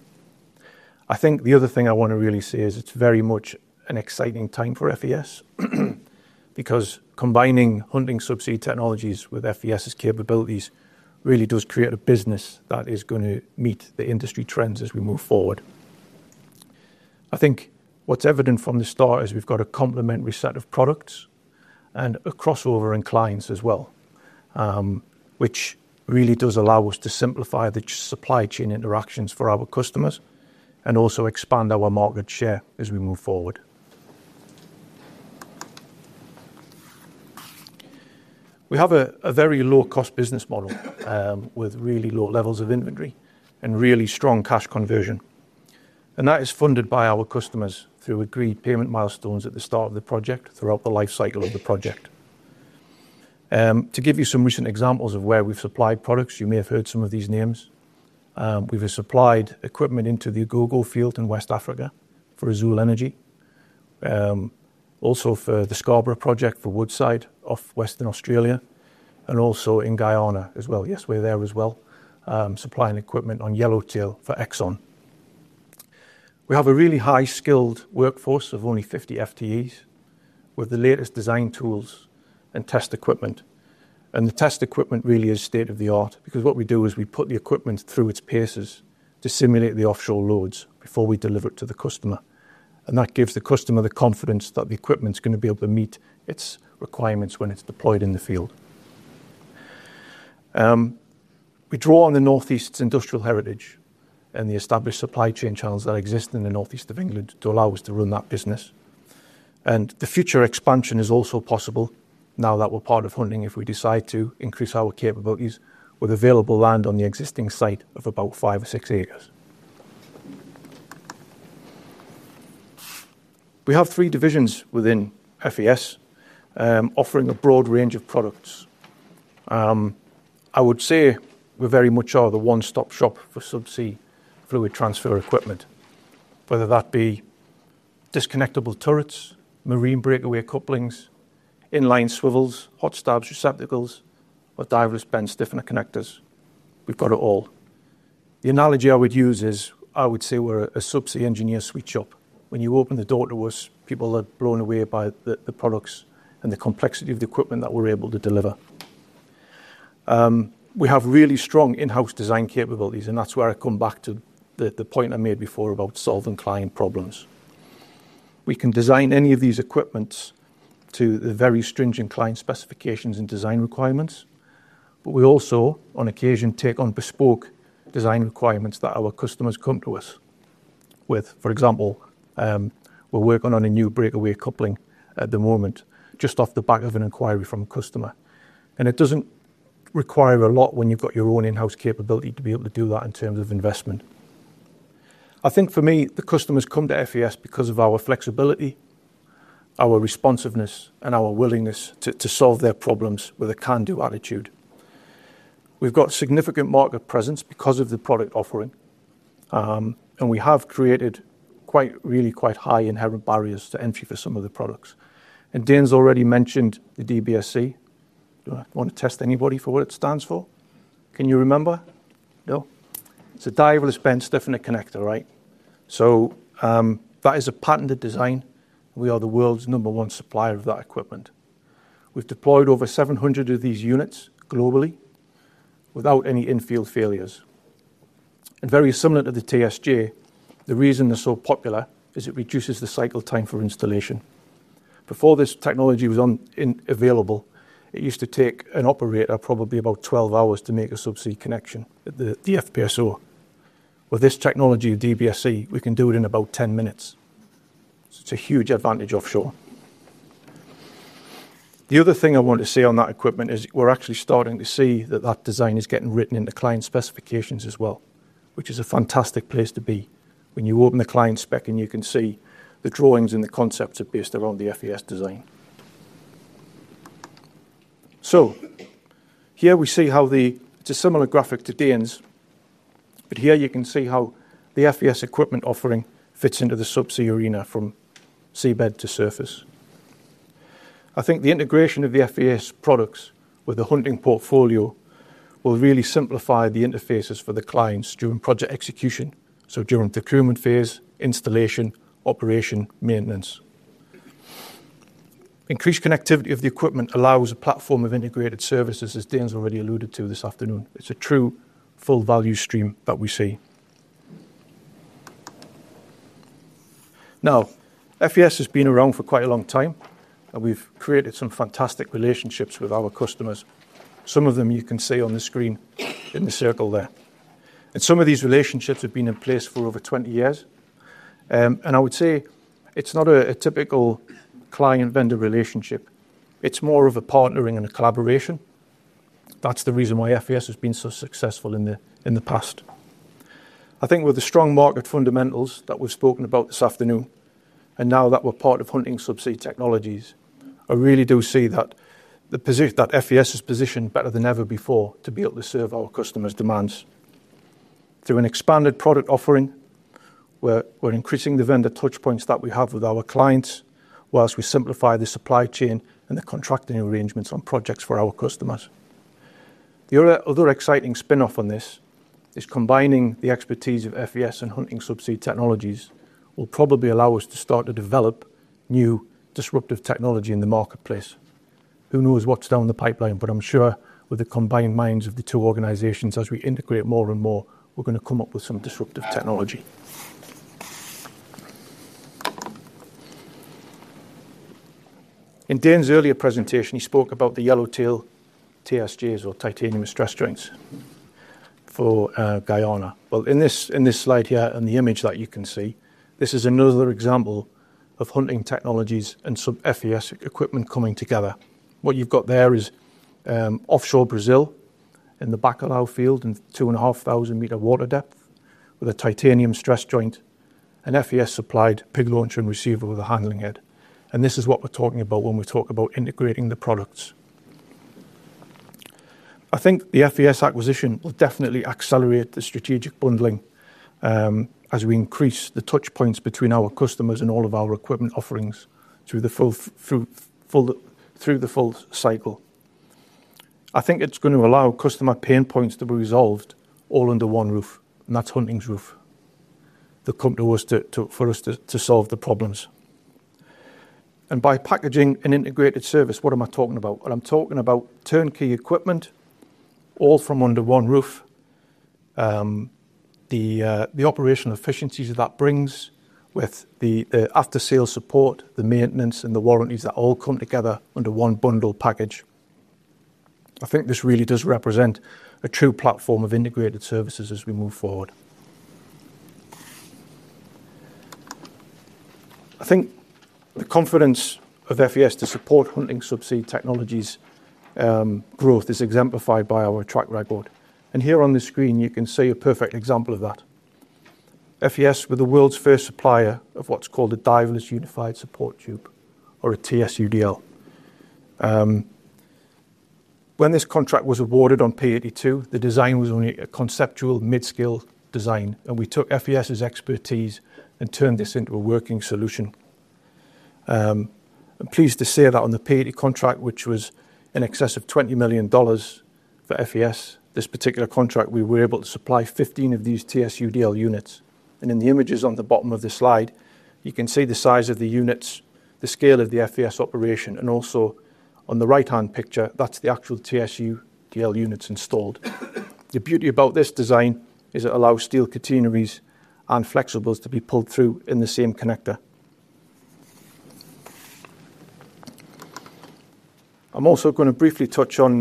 I think the other thing I want to really say is it's very much an exciting time for FES because combining Hunting Subsea Technologies with FES's capabilities really does create a business that is going to meet the industry trends as we move forward. I think what's evident from the start is we've got a complementary set of products and a crossover in clients as well, which really does allow us to simplify the supply chain interactions for our customers and also expand our market share as we move forward. We have a very low-cost business model, with really low levels of inventory and really strong cash conversion, and that is funded by our customers through agreed payment milestones at the start of the project, throughout the life cycle of the project. To give you some recent examples of where we've supplied products, you may have heard some of these names. We've supplied equipment into the Agogo Field in West Africa for Azule Energy, also for the Scarborough project for Woodside off Western Australia, and also in Guyana as well. Yes, we're there as well, supplying equipment on Yellowtail for Exxon. We have a really high-skilled workforce of only 50 FTEs with the latest design tools and test equipment. The test equipment really is state-of-the-art because what we do is we put the equipment through its paces to simulate the offshore loads before we deliver it to the customer, and that gives the customer the confidence that the equipment's going to be able to meet its requirements when it's deployed in the field. We draw on the North East's industrial heritage and the established supply chain channels that exist in the North East of England to allow us to run that business. The future expansion is also possible now that we're part of Hunting, if we decide to increase our capabilities with available land on the existing site of about five or six acres. We have three divisions within FES, offering a broad range of products. I would say we very much are the one-stop shop for subsea fluid transfer equipment, whether that be disconnectable turrets, marine breakaway couplings, in-line swivels, hot stab receptacles, or diverless bend stiffener connectors. We've got it all. The analogy I would use is, I would say we're a subsea engineer sweet shop. When you open the door to us, people are blown away by the products and the complexity of the equipment that we're able to deliver. We have really strong in-house design capabilities, and that's where I come back to the point I made before about solving client problems. We can design any of these equipments to the very stringent client specifications and design requirements, but we also, on occasion, take on bespoke design requirements that our customers come to us with. For example, we're working on a new breakaway coupling at the moment, just off the back of an inquiry from a customer, and it doesn't require a lot when you've got your own in-house capability to be able to do that in terms of investment. I think for me, the customers come to FES because of our flexibility, our responsiveness, and our willingness to solve their problems with a can-do attitude. We've got significant market presence because of the product offering, and we have created quite really quite high inherent barriers to entry for some of the products, and Dane's already mentioned the DBSC. Do I want to test anybody for what it stands for? Can you remember? No. It's a Diverless Bend Stiffener Connector, right? That is a patented design. We are the world's number one supplier of that equipment. We've deployed over 700 of these units globally without any in-field failures. And very similar to the TSJ, the reason they're so popular is it reduces the cycle time for installation. Before this technology was available, it used to take an operator probably about 12 hours to make a subsea connection at the FPSO. With this technology, DBSC, we can do it in about 10 minutes. It's a huge advantage offshore. The other thing I want to say on that equipment is we're actually starting to see that that design is getting written into client specifications as well, which is a fantastic place to be when you open the client spec, and you can see the drawings and the concepts are based around the FES design. So here we see how the... It's a similar graphic to Dane's, but here you can see how the FES equipment offering fits into the subsea arena from seabed to surface. I think the integration of the FES products with the Hunting portfolio will really simplify the interfaces for the clients during project execution, so during the procurement phase, installation, operation, maintenance. Increased connectivity of the equipment allows a platform of integrated services, as Dane's already alluded to this afternoon. It's a true full value stream that we see. Now, FES has been around for quite a long time, and we've created some fantastic relationships with our customers. Some of them you can see on the screen in the circle there. And some of these relationships have been in place for over 20 years. And I would say it's not a typical client-vendor relationship. It's more of a partnering and a collaboration. That's the reason why FES has been so successful in the past. I think with the strong market fundamentals that we've spoken about this afternoon, and now that we're part of Hunting Subsea Technologies, I really do see that FES is positioned better than ever before to be able to serve our customers' demands. Through an expanded product offering, we're increasing the vendor touch points that we have with our clients, while we simplify the supply chain and the contracting arrangements on projects for our customers. The other exciting spin-off on this is combining the expertise of FES and Hunting Subsea Technologies will probably allow us to start to develop new disruptive technology in the marketplace. Who knows what's down the pipeline? But I'm sure with the combined minds of the two organizations, as we integrate more and more, we're gonna come up with some disruptive technology. In Dane's earlier presentation, he spoke about the Yellowtail TSJs or titanium stress joints for Guyana. Well, in this slide here, and the image that you can see, this is another example of Hunting technologies and some FES equipment coming together. What you've got there is offshore Brazil, in the Bacalhau Field, in two and a half thousand meters water depth, with a titanium stress joint, an FES-supplied pig launcher and receiver with a handling head. And this is what we're talking about when we talk about integrating the products. I think the FES acquisition will definitely accelerate the strategic bundling, as we increase the touch points between our customers and all of our equipment offerings through the full cycle. I think it's gonna allow customer pain points to be resolved all under one roof, and that's Hunting's roof. The company was to solve the problems for us. By packaging an integrated service, what am I talking about? I'm talking about turnkey equipment, all from under one roof. The operational efficiencies that brings with the after-sales support, the maintenance, and the warranties that all come together under one bundled package. I think this really does represent a true platform of integrated services as we move forward. I think the confidence of FES to support Hunting Subsea Technologies growth is exemplified by our track record. Here on the screen, you can see a perfect example of that. FES were the world's first supplier of what's called a diverless unified support tube, or a TSUDL. When this contract was awarded on P-82, the design was only a conceptual mid-scale design, and we took FES's expertise and turned this into a working solution. I'm pleased to say that on the P-80 contract, which was in excess of $20 million for FES, this particular contract, we were able to supply 15 of these TSUDL units. In the images on the bottom of this slide, you can see the size of the units, the scale of the FES operation, and also on the right-hand picture, that's the actual TSUDL units installed. The beauty about this design is it allows steel catenaries and flexibles to be pulled through in the same connector. I'm also gonna briefly touch on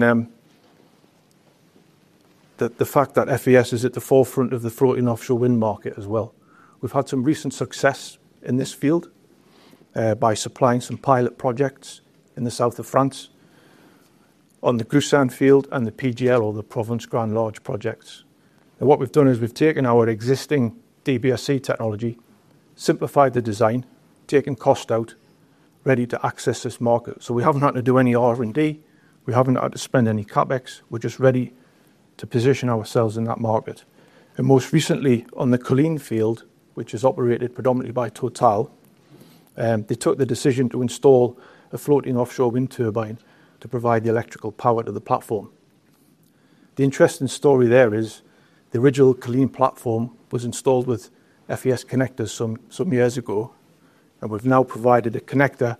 the fact that FES is at the forefront of the floating offshore wind market as well. We've had some recent success in this field by supplying some pilot projects in the South of France on the Gruissan field and the PGL, or the Provence Grand Large projects. And what we've done is we've taken our existing DBSC technology, simplified the design, taken cost out, ready to access this market. So we haven't had to do any R&D, we haven't had to spend any CapEx, we're just ready to position ourselves in that market. And most recently, on the Culzean field, which is operated predominantly by Total, they took the decision to install a floating offshore wind turbine to provide the electrical power to the platform. The interesting story there is, the original Culzean platform was installed with FES connectors some years ago, and we've now provided a connector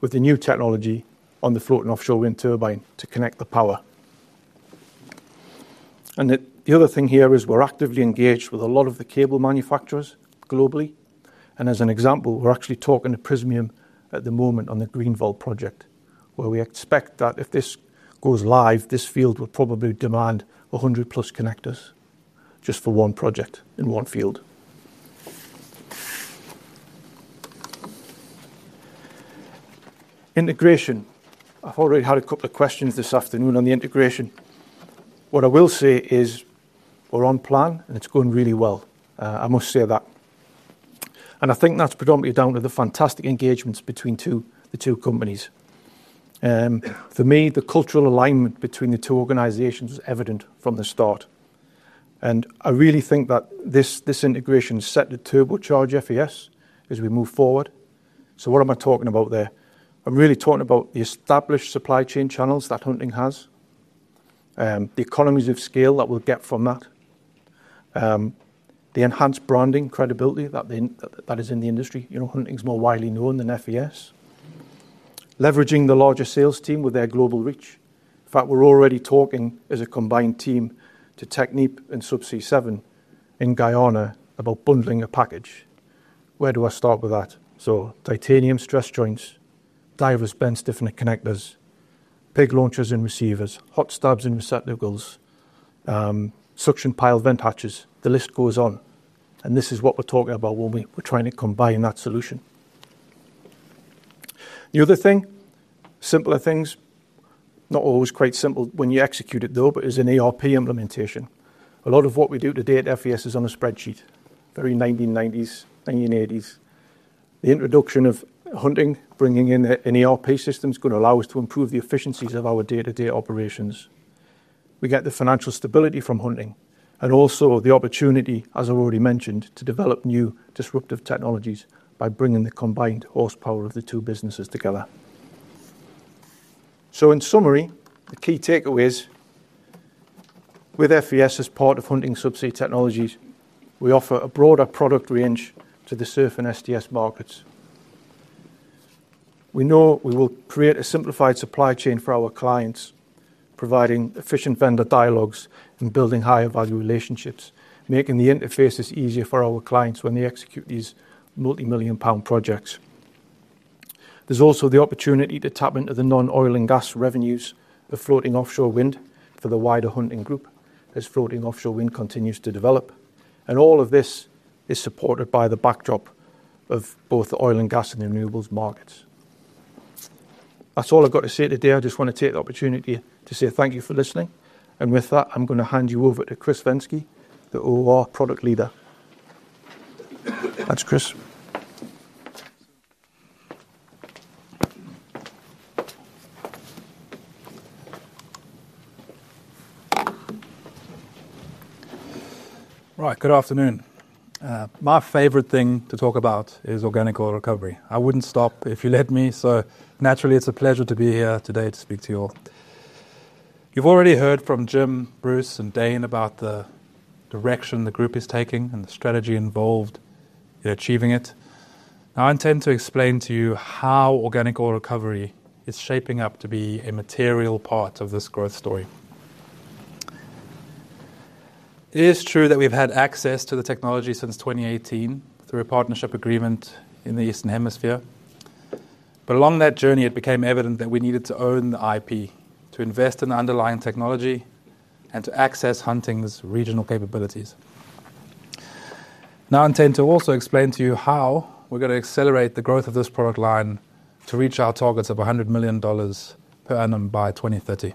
with the new technology on the floating offshore wind turbine to connect the power. The other thing here is we're actively engaged with a lot of the cable manufacturers globally. As an example, we're actually talking to Prysmian at the moment on the Green Volt project, where we expect that if this goes live, this field will probably demand 100-plus connectors, just for one project in one field. Integration. I've already had a couple of questions this afternoon on the integration. What I will say is we're on plan, and it's going really well. I must say that. I think that's predominantly down to the fantastic engagements between to two companies. For me, the cultural alignment between the two organizations was evident from the start, and I really think that this integration set to turbocharge FES as we move forward. So what am I talking about there? I'm really talking about the established supply chain channels that Hunting has, the economies of scale that we'll get from that, the enhanced branding credibility that that is in the industry. You know, Hunting is more widely known than FES. Leveraging the larger sales team with their global reach. In fact, we're already talking as a combined team to Technip and Subsea 7 in Guyana about bundling a package. Where do I start with that? So titanium stress joints, Diverless Bend Stiffener Connectors, pig launchers and receivers, hot stabs and receptacles, suction pile vent hatches. The list goes on, and this is what we're talking about when we're trying to combine that solution. The other thing, simpler things, not always quite simple when you execute it, though, but is an ERP implementation. A lot of what we do today at FES is on a spreadsheet, very 1990s, 1980s. The introduction of Hunting, bringing in an ERP system, is going to allow us to improve the efficiencies of our day-to-day operations. We get the financial stability from Hunting and also the opportunity, as I've already mentioned, to develop new disruptive technologies by bringing the combined horsepower of the two businesses together. In summary, the key takeaways: with FES as part of Hunting Subsea Technologies, we offer a broader product range to the SURF and STS markets. We know we will create a simplified supply chain for our clients, providing efficient vendor dialogues and building higher value relationships, making the interfaces easier for our clients when they execute these multimillion-pound projects. There's also the opportunity to tap into the non-oil and gas revenues of floating offshore wind for the wider Hunting group, as floating offshore wind continues to develop, and all of this is supported by the backdrop of both the oil and gas and renewables markets. That's all I've got to say today. I just want to take the opportunity to say thank you for listening, and with that, I'm going to hand you over to Chris Venske, the OOR Product Leader. Thanks, Chris. Right. Good afternoon. My favorite thing to talk about is Organic Oil Recovery. I wouldn't stop if you let me, so naturally, it's a pleasure to be here today to speak to you all. You've already heard from Jim, Bruce, and Dane about the direction the group is taking and the strategy involved in achieving it. Now, I intend to explain to you how Organic Oil Recovery is shaping up to be a material part of this growth story. It is true that we've had access to the technology since twenty eighteen through a partnership agreement in the Eastern Hemisphere. But along that journey, it became evident that we needed to own the IP, to invest in the underlying technology, and to access Hunting's regional capabilities. Now, I intend to also explain to you how we're going to accelerate the growth of this product line to reach our targets of $100 million per annum by 2030.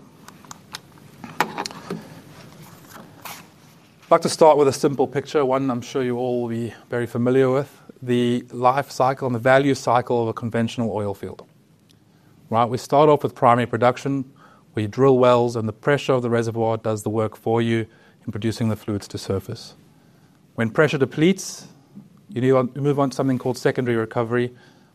I'd like to start with a simple picture, one I'm sure you all will be very familiar with, the life cycle and the value cycle of a conventional oil field. Right, we start off with primary production. We drill wells, and the pressure of the reservoir does the work for you in producing the fluids to surface. When pressure depletes, you need to move on to something called secondary recovery,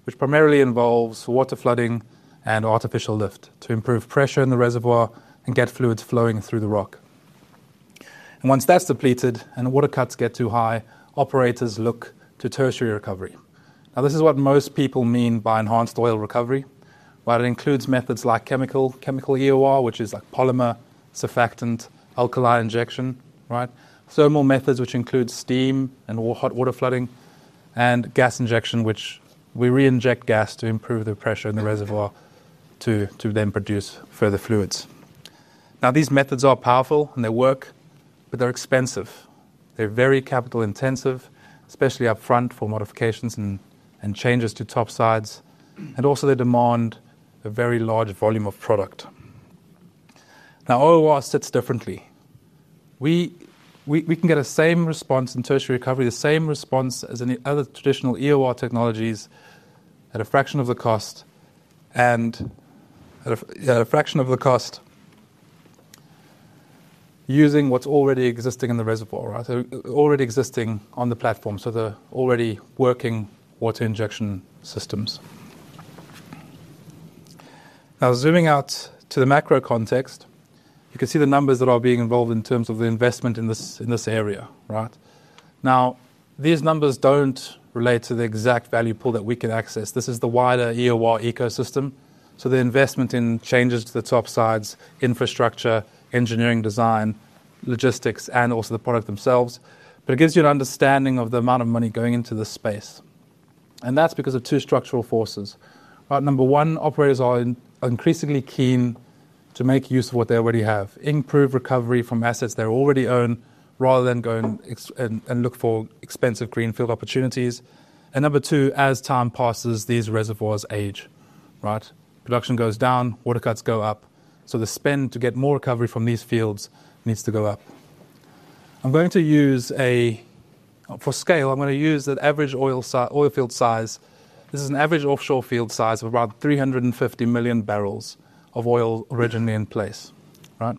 which primarily involves water flooding and artificial lift to improve pressure in the reservoir and get fluids flowing through the rock, and once that's depleted and the water cuts get too high, operators look to tertiary recovery. Now, this is what most people mean by enhanced oil recovery, but it includes methods like chemical EOR, which is like polymer, surfactant, alkali injection, right? Thermal methods, which include steam and hot water flooding and gas injection, which we reinject gas to improve the pressure in the reservoir to then produce further fluids. Now, these methods are powerful, and they work, but they're expensive. They're very capital intensive, especially up front for modifications and changes to topsides, and also they demand a very large volume of product. Now, OOR sits differently. We can get the same response in tertiary recovery, the same response as any other traditional EOR technologies at a fraction of the cost, and at a fraction of the cost using what's already existing in the reservoir, right? So, already existing on the platform, so the already working water injection systems. Now, zooming out to the macro context, you can see the numbers that are being involved in terms of the investment in this, in this area, right? Now, these numbers don't relate to the exact value pool that we can access. This is the wider EOR ecosystem, so the investment in changes to the topsides, infrastructure, engineering design, logistics, and also the product themselves. But it gives you an understanding of the amount of money going into this space, and that's because of two structural forces, right? Number one, operators are increasingly keen to make use of what they already have, improve recovery from assets they already own, rather than go and look for expensive greenfield opportunities. Number two, as time passes, these reservoirs age, right? Production goes down, water cuts go up, so the spend to get more recovery from these fields needs to go up. I'm going to use. For scale, I'm going to use the average oil field size. This is an average offshore field size of about 350 million barrels of oil originally in place, right?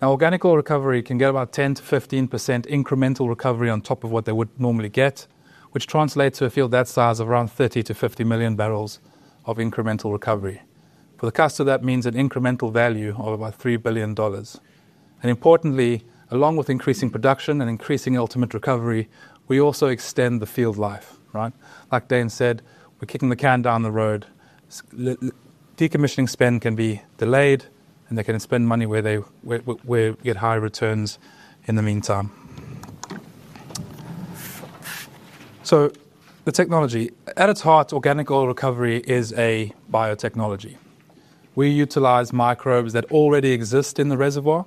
Now, Organic Oil Recovery can get about 10%-15% incremental recovery on top of what they would normally get, which translates to a field that size of around 30-50 million barrels of incremental recovery. For the customer, that means an incremental value of about $3 billion. And importantly, along with increasing production and increasing ultimate recovery, we also extend the field life, right? Like Dane said, we're kicking the can down the road. Decommissioning spend can be delayed, and they can spend money where they get high returns in the meantime. So the technology. At its heart, Organic Oil Recovery is a biotechnology. We utilize microbes that already exist in the reservoir,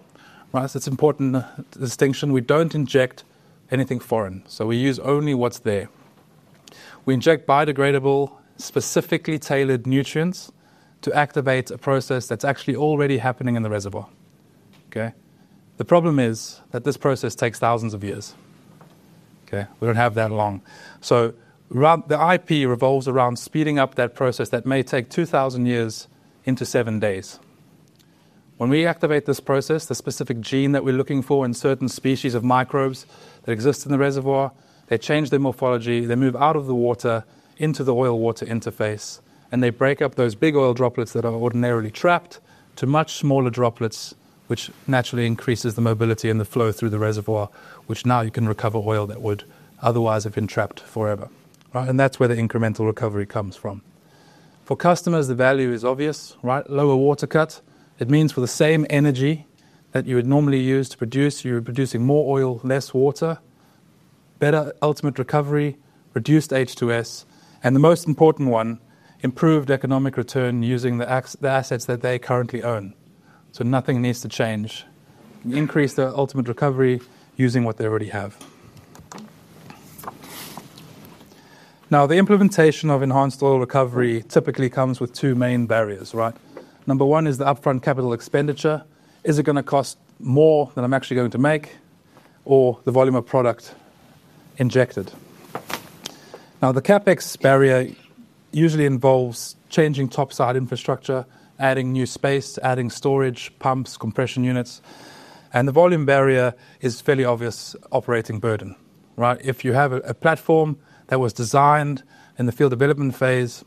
right? So it's important distinction. We don't inject anything foreign, so we use only what's there. We inject biodegradable, specifically tailored nutrients to activate a process that's actually already happening in the reservoir. Okay? The problem is that this process takes 1,000 of years, okay? We don't have that long. So the IP revolves around speeding up that process that may take 2,000 years into seven days. When we activate this process, the specific gene that we're looking for in certain species of microbes that exist in the reservoir, they change their morphology, they move out of the water into the oil-water interface, and they break up those big oil droplets that are ordinarily trapped to much smaller droplets, which naturally increases the mobility and the flow through the reservoir, which now you can recover oil that would otherwise have been trapped forever, right? And that's where the incremental recovery comes from. For customers, the value is obvious, right? Lower water cut. It means for the same energy that you would normally use to produce, you're producing more oil, less water, better ultimate recovery, reduced H2S, and the most important one, improved economic return using the assets that they currently own. So nothing needs to change. Increase their ultimate recovery using what they already have. Now, the implementation of enhanced oil recovery typically comes with two main barriers, right? Number one is the upfront capital expenditure. Is it gonna cost more than I'm actually going to make, or the volume of product injected? Now, the CapEx barrier usually involves changing topside infrastructure, adding new space, adding storage, pumps, compression units, and the volume barrier is fairly obvious operating burden, right? If you have a platform that was designed in the field development phase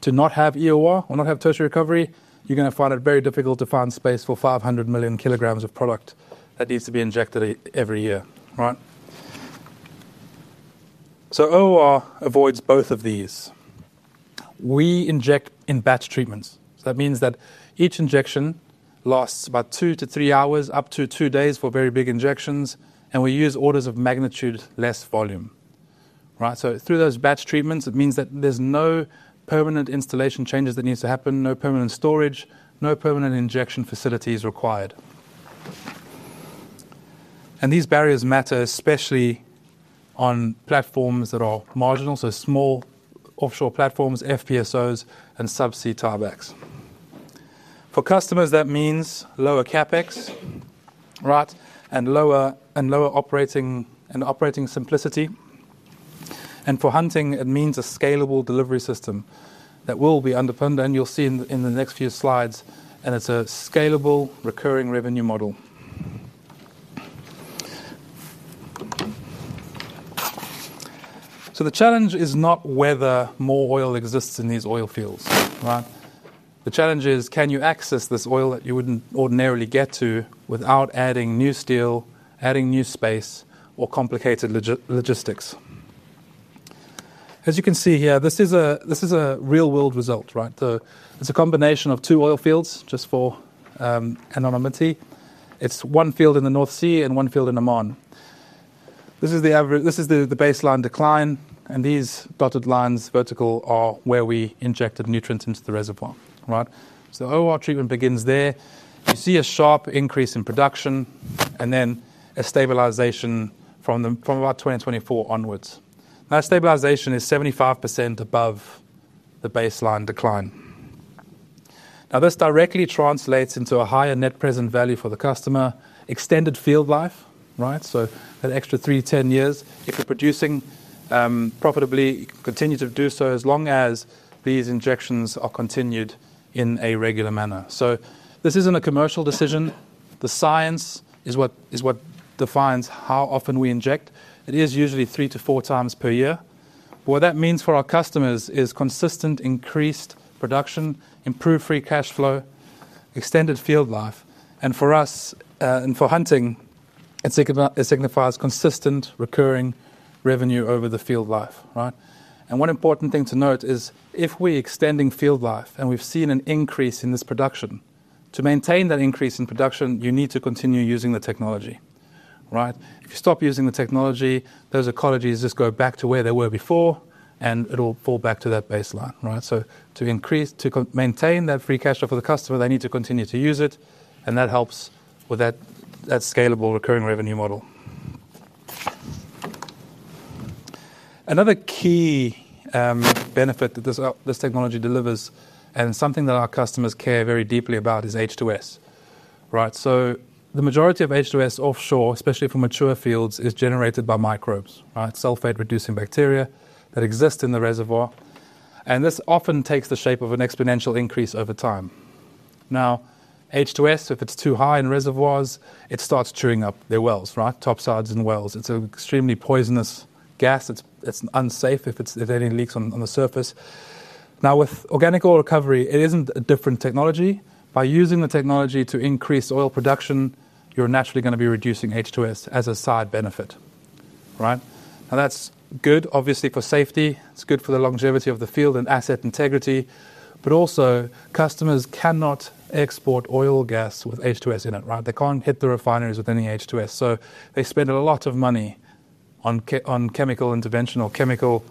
to not have EOR or not have tertiary recovery, you're gonna find it very difficult to find space for 500 million kilograms of product that needs to be injected every year, right? So OOR avoids both of these. We inject in batch treatments, so that means that each injection lasts about two to three hours, up to two days for very big injections, and we use orders of magnitude less volume, right? So through those batch treatments, it means that there's no permanent installation changes that needs to happen, no permanent storage, no permanent injection facilities required. And these barriers matter, especially on platforms that are marginal, so small offshore platforms, FPSOs, and subsea tiebacks. For customers, that means lower CapEx, right? And lower, and lower operating, and operating simplicity. And for Hunting, it means a scalable delivery system that will be underpinned, and you'll see in, in the next few slides, and it's a scalable recurring revenue model. So the challenge is not whether more oil exists in these oil fields, right? The challenge is: Can you access this oil that you wouldn't ordinarily get to without adding new steel, adding new space, or complicated logistics? As you can see here, this is a real-world result, right? It's a combination of two oil fields, just for anonymity. It's one field in the North Sea and one field in Oman. This is the average baseline decline, and these dotted lines, vertical, are where we injected nutrients into the reservoir, right? So the OOR treatment begins there. You see a sharp increase in production and then a stabilization from about 2024 onwards. Now, stabilization is 75% above the baseline decline. Now, this directly translates into a higher net present value for the customer. Extended field life, right? So that extra three-10 years. If you're producing profitably, you can continue to do so as long as these injections are continued in a regular manner. So this isn't a commercial decision. The science is what defines how often we inject. It is usually three to four times per year. What that means for our customers is consistent increased production, improved free cash flow, extended field life, and for us, and for Hunting, it signifies consistent recurring revenue over the field life, right? And one important thing to note is if we're extending field life and we've seen an increase in this production, to maintain that increase in production, you need to continue using the technology, right? If you stop using the technology, those ecologies just go back to where they were before, and it'll fall back to that baseline, right? So to increase... to co-maintain that free cash flow for the customer, they need to continue to use it, and that helps with that scalable recurring revenue model. Another key benefit that this technology delivers, and something that our customers care very deeply about, is H2S, right? So the majority of H2S offshore, especially for mature fields, is generated by microbes, right? Sulfate-reducing bacteria that exist in the reservoir, and this often takes the shape of an exponential increase over time. Now, H2S, if it's too high in reservoirs, it starts chewing up their wells, right? Topsides and wells. It's an extremely poisonous gas. It's unsafe if there are any leaks on the surface. Now, with Organic Oil Recovery, it isn't a different technology. By using the technology to increase oil production, you're naturally gonna be reducing H2S as a side benefit, right? Now, that's good, obviously, for safety. It's good for the longevity of the field and asset integrity, but also, customers cannot export oil gas with H2S in it, right? They can't hit the refineries with any H2S. So they spend a lot of money on chemical intervention or chemical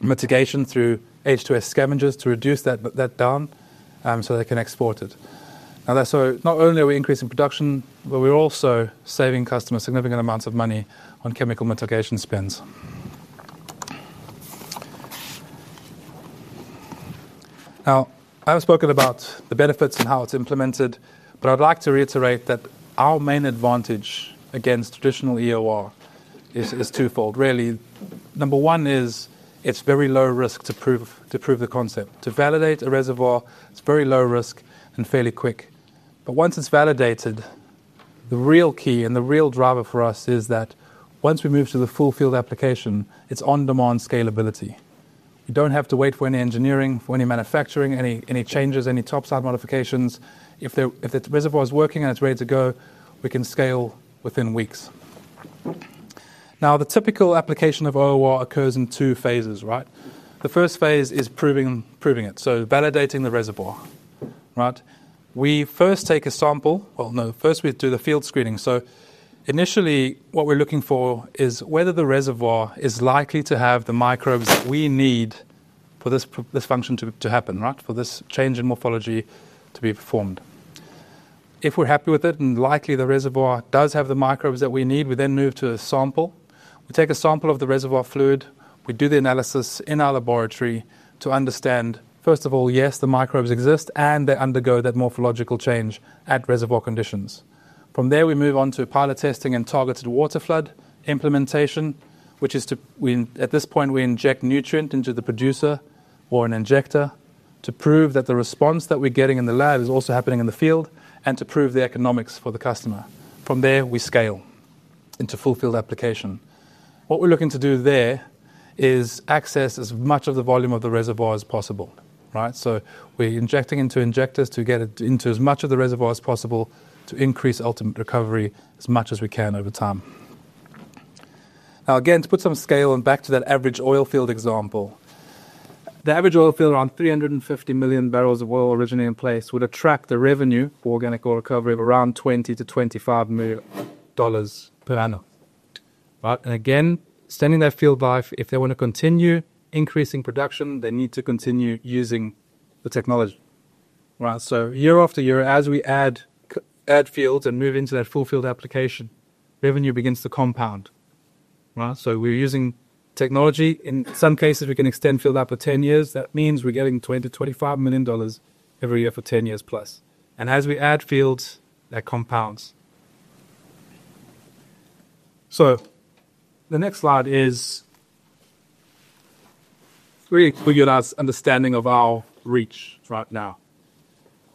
mitigation through H2S scavengers to reduce that down, so they can export it. Now, that's so... Not only are we increasing production, but we're also saving customers significant amounts of money on chemical mitigation spends. Now, I've spoken about the benefits and how it's implemented, but I'd like to reiterate that our main advantage against traditional EOR is twofold, really. Number one is it's very low risk to prove the concept. To validate a reservoir, it's very low risk and fairly quick. Once it's validated, the real key and the real driver for us is that once we move to the full field application, it's on-demand scalability. You don't have to wait for any engineering, for any manufacturing, any changes, any topside modifications. If the reservoir is working and it's ready to go, we can scale within weeks. Now, the typical application of EOR occurs in two phases, right? The first phase is proving it, so validating the reservoir, right? We first take a sample. Well, no, first we do the field screening. So initially, what we're looking for is whether the reservoir is likely to have the microbes that we need for this function to happen, right? For this change in morphology to be performed. If we're happy with it, and likely the reservoir does have the microbes that we need, we then move to a sample. We take a sample of the reservoir fluid, we do the analysis in our laboratory to understand, first of all, yes, the microbes exist, and they undergo that morphological change at reservoir conditions. From there, we move on to pilot testing and targeted waterflood implementation, which is to—we, at this point, inject nutrient into the producer or an injector to prove that the response that we're getting in the lab is also happening in the field, and to prove the economics for the customer. From there, we scale into full field application. What we're looking to do there is access as much of the volume of the reservoir as possible, right? We're injecting into injectors to get it into as much of the reservoir as possible to increase ultimate recovery as much as we can over time. Now, again, to put some scale and back to that average oil field example, the average oil field, around 350 million barrels of oil originally in place, would attract the revenue for Organic Oil Recovery of around $20-$25 million per annum, right? And again, extending that field life, if they want to continue increasing production, they need to continue using the technology, right? Year after year, as we add fields and move into that full field application, revenue begins to compound, right? We're using technology. In some cases, we can extend field life for 10 years. That means we're getting $20-$25 million every year for 10 years plus. As we add fields, that compounds. The next slide is really to give you an understanding of our reach right now,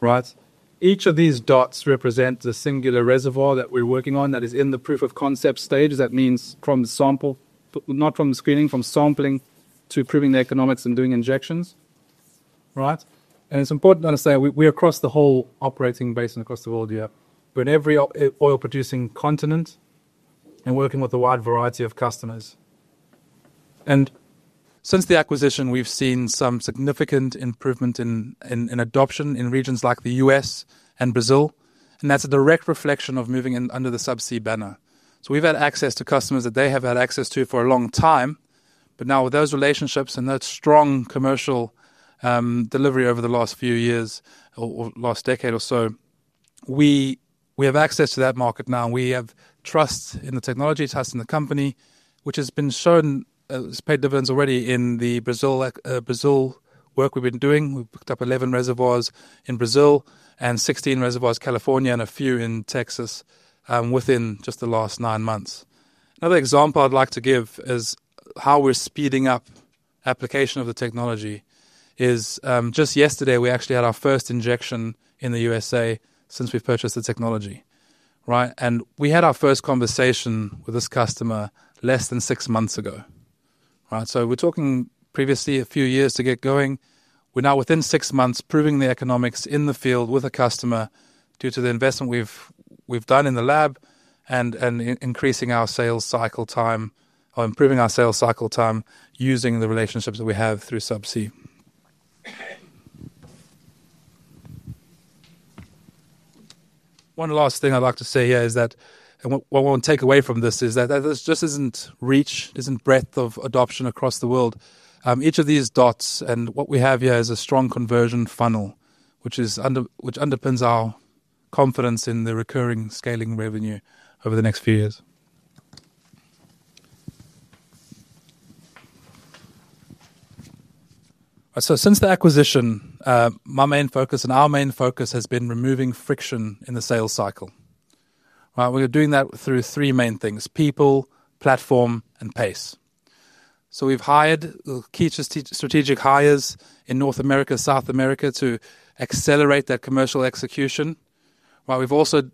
right? Each of these dots represents a singular reservoir that we're working on that is in the proof of concept stage. That means from sample, not from screening, from sampling to proving the economics and doing injections, right? It's important to understand we're across the whole operating basin across the world here. We're in every oil-producing continent and working with a wide variety of customers. Since the acquisition, we've seen some significant improvement in adoption in regions like the U.S. and Brazil, and that's a direct reflection of moving in under the Subsea banner. So we've had access to customers that they have had access to for a long time, but now with those relationships and that strong commercial delivery over the last few years or last decade or so, we have access to that market now. We have trust in the technology, trust in the company, which has been shown. It's paid dividends already in the Brazil work we've been doing. We've picked up eleven reservoirs in Brazil and sixteen reservoirs in California and a few in Texas within just the last nine months. Another example I'd like to give is how we're speeding up application of the technology is just yesterday, we actually had our first injection in the USA since we've purchased the technology, right? And we had our first conversation with this customer less than six months ago, right? So we're talking previously a few years to get going. We're now within six months, proving the economics in the field with a customer due to the investment we've done in the lab and increasing our sales cycle time or improving our sales cycle time using the relationships that we have through Subsea. One last thing I'd like to say here is that and what we want to take away from this is that this just isn't reach, isn't breadth of adoption across the world. Each of these dots and what we have here is a strong conversion funnel, which underpins our confidence in the recurring scaling revenue over the next few years. Since the acquisition, my main focus and our main focus has been removing friction in the sales cycle, right? We're doing that through three main things: people, platform, and pace. So we've hired key strategic hires in North America, South America, to accelerate that commercial execution, while we've also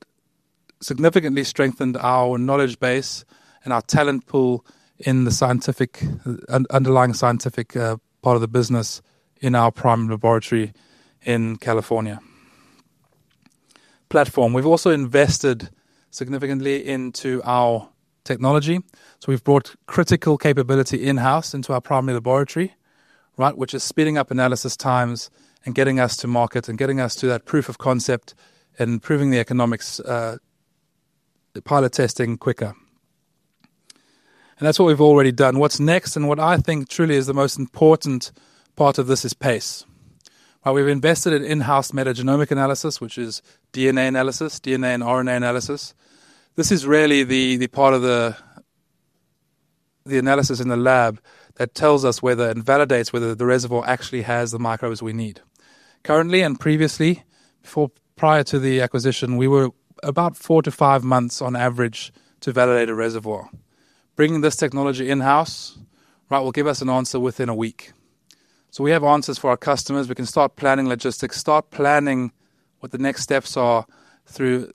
significantly strengthened our knowledge base and our talent pool in the scientific, underlying scientific, part of the business in our prime laboratory in California. Platform. We've also invested significantly into our technology. So we've brought critical capability in-house into our primary laboratory, right? Which is speeding up analysis times and getting us to market, and getting us to that proof of concept and improving the economics, the pilot testing quicker. And that's what we've already done. What's next, and what I think truly is the most important part of this, is pace. While we've invested in in-house metagenomic analysis, which is DNA analysis, DNA and RNA analysis, this is really the, the part of the,... The analysis in the lab that tells us whether, and validates whether the reservoir actually has the microbes we need. Currently, and previously, before prior to the acquisition, we were about four to five months on average to validate a reservoir. Bringing this technology in-house, right, will give us an answer within a week. So we have answers for our customers. We can start planning logistics, start planning what the next steps are through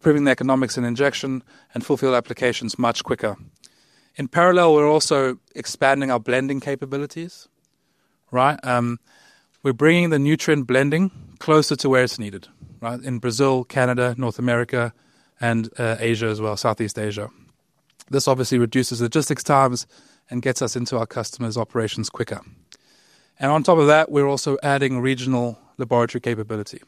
proving the economics and injection, and fulfill applications much quicker. In parallel, we're also expanding our blending capabilities, right? We're bringing the nutrient blending closer to where it's needed, right? In Brazil, Canada, North America, and Asia as well, Southeast Asia. This obviously reduces logistics times and gets us into our customers' operations quicker. And on top of that, we're also adding regional laboratory capability.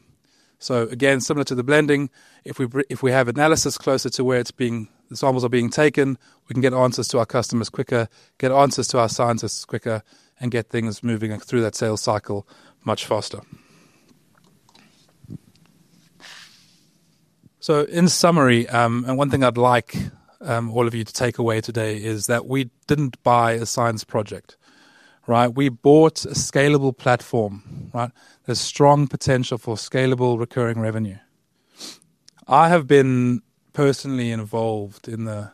So again, similar to the blending, if we have analysis closer to where the samples are being taken, we can get answers to our customers quicker, get answers to our scientists quicker, and get things moving through that sales cycle much faster. So in summary, and one thing I'd like all of you to take away today is that we didn't buy a science project, right? We bought a scalable platform, right? There's strong potential for scalable recurring revenue. I have been personally involved in the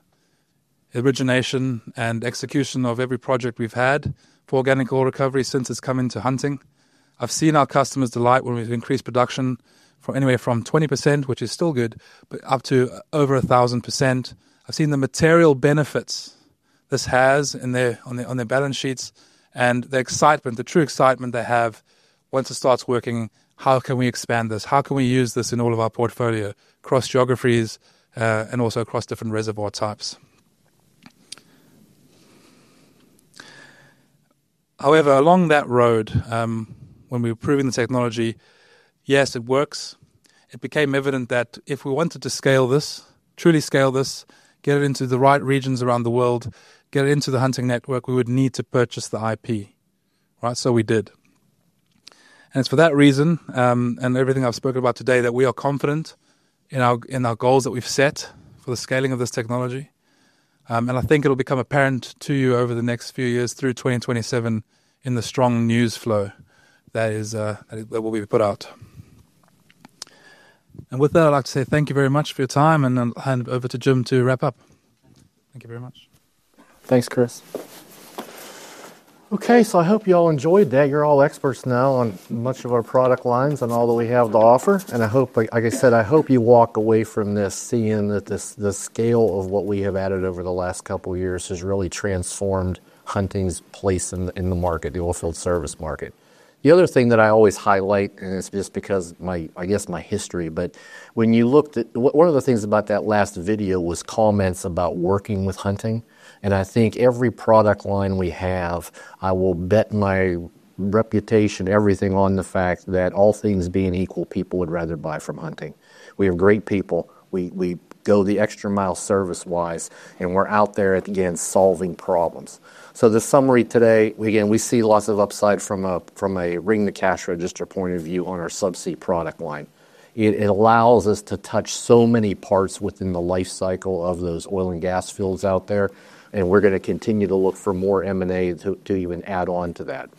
origination and execution of every project we've had for Organic Oil Recovery since it's come into Hunting. I've seen our customers delight when we've increased production from anywhere from 20%, which is still good, but up to over 1,000%. I've seen the material benefits this has on their balance sheets, and the excitement, the true excitement they have once it starts working: How can we expand this? How can we use this in all of our portfolio, across geographies, and also across different reservoir types? However, along that road, when we were proving the technology, yes, it works, it became evident that if we wanted to scale this, truly scale this, get it into the right regions around the world, get it into the Hunting network, we would need to purchase the IP, right? So we did. And it's for that reason, and everything I've spoken about today, that we are confident in our goals that we've set for the scaling of this technology. I think it'll become apparent to you over the next few years through 2027 in the strong news flow that is, that will be put out. And with that, I'd like to say thank you very much for your time, and then hand over to Jim to wrap up. Thank you very much. Thanks, Chris. Okay, so I hope you all enjoyed that. You're all experts now on much of our product lines and all that we have to offer, and I hope, like I said, I hope you walk away from this seeing that the scale of what we have added over the last couple of years has really transformed Hunting's place in the market, the oilfield service market. The other thing that I always highlight, and it's just because my, I guess, my history, but when you looked at one of the things about that last video was comments about working with Hunting, and I think every product line we have, I will bet my reputation, everything on the fact that all things being equal, people would rather buy from Hunting. We have great people. We go the extra mile service-wise, and we're out there, again, solving problems. So the summary today, again, we see lots of upside from a ring-the-cash-register point of view on our subsea product line. It allows us to touch so many parts within the life cycle of those oil and gas fields out there, and we're gonna continue to look for more M&A to even add on to that.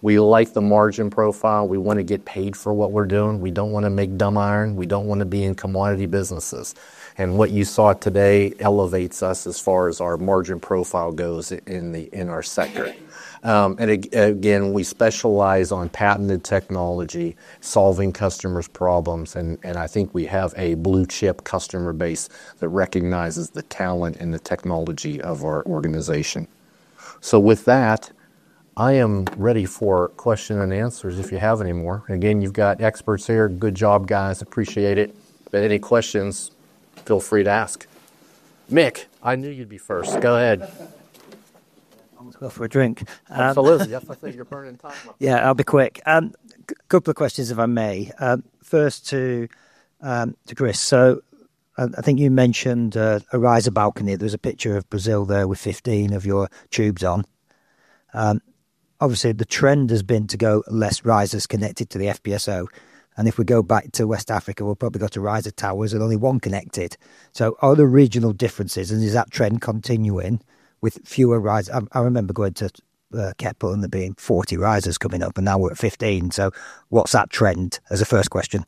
We like the margin profile. We wanna get paid for what we're doing. We don't wanna make dumb iron. We don't wanna be in commodity businesses. And what you saw today elevates us as far as our margin profile goes in our sector. Again, we specialize on patented technology, solving customers' problems, and I think we have a blue-chip customer base that recognizes the talent and the technology of our organization. So with that, I am ready for question and answers, if you have any more. Again, you've got experts here. Good job, guys. Appreciate it. But any questions, feel free to ask. Mick, I knew you'd be first. Go ahead. Almost go for a drink. Absolutely. Yep, I think you're burning time up. Yeah, I'll be quick. Couple of questions, if I may. First to Chris. So I think you mentioned a riser balcony. There was a picture of Brazil there with 15 of your tubes on. Obviously, the trend has been to go less risers connected to the FPSO, and if we go back to West Africa, we'll probably go to riser towers and only one connected. So are there regional differences, and is that trend continuing with fewer risers? I remember going to Keppel and there being 40 risers coming up, and now we're at 15. So what's that trend? As a first question.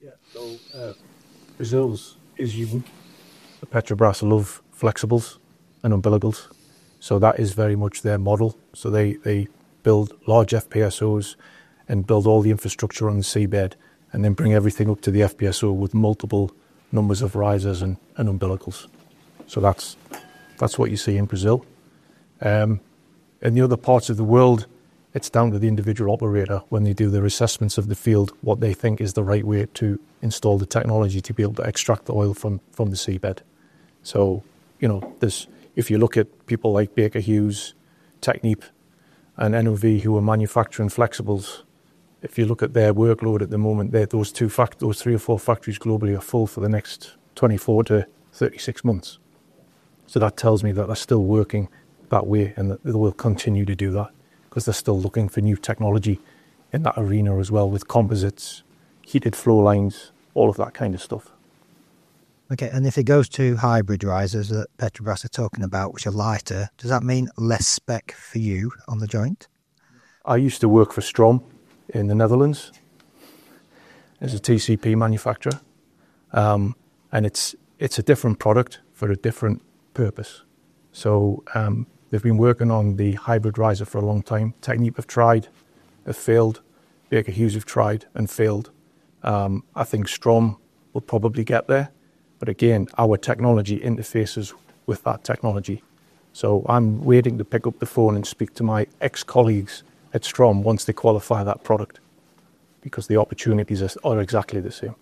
Yeah. So, Brazil's is unique. The Petrobras love flexibles and umbilicals, so that is very much their model. So they build large FPSOs and build all the infrastructure on the seabed and then bring everything up to the FPSO with multiple numbers of risers and umbilicals. So that's what you see in Brazil. In the other parts of the world, it's down to the individual operator when they do their assessments of the field, what they think is the right way to install the technology to be able to extract the oil from the seabed. So, you know, if you look at people like Baker Hughes, Technip, and NOV, who are manufacturing flexibles, if you look at their workload at the moment, those three or four factories globally are full for the next twenty-four to thirty-six months. So that tells me that they're still working that way and that they will continue to do that, 'cause they're still looking for new technology in that arena as well, with composites, heated flow lines, all of that kind of stuff.... Okay, and if it goes to hybrid risers that Petrobras are talking about, which are lighter, does that mean less spec for you on the joint? I used to work for Strohm in the Netherlands as a TCP manufacturer, and it's a different product for a different purpose. They've been working on the hybrid riser for a long time. Technip have tried, have failed. Baker Hughes have tried and failed. I think Strohm will probably get there, but again, our technology interfaces with that technology. I'm waiting to pick up the phone and speak to my ex-colleagues at Strohm once they qualify that product, because the opportunities are exactly the same.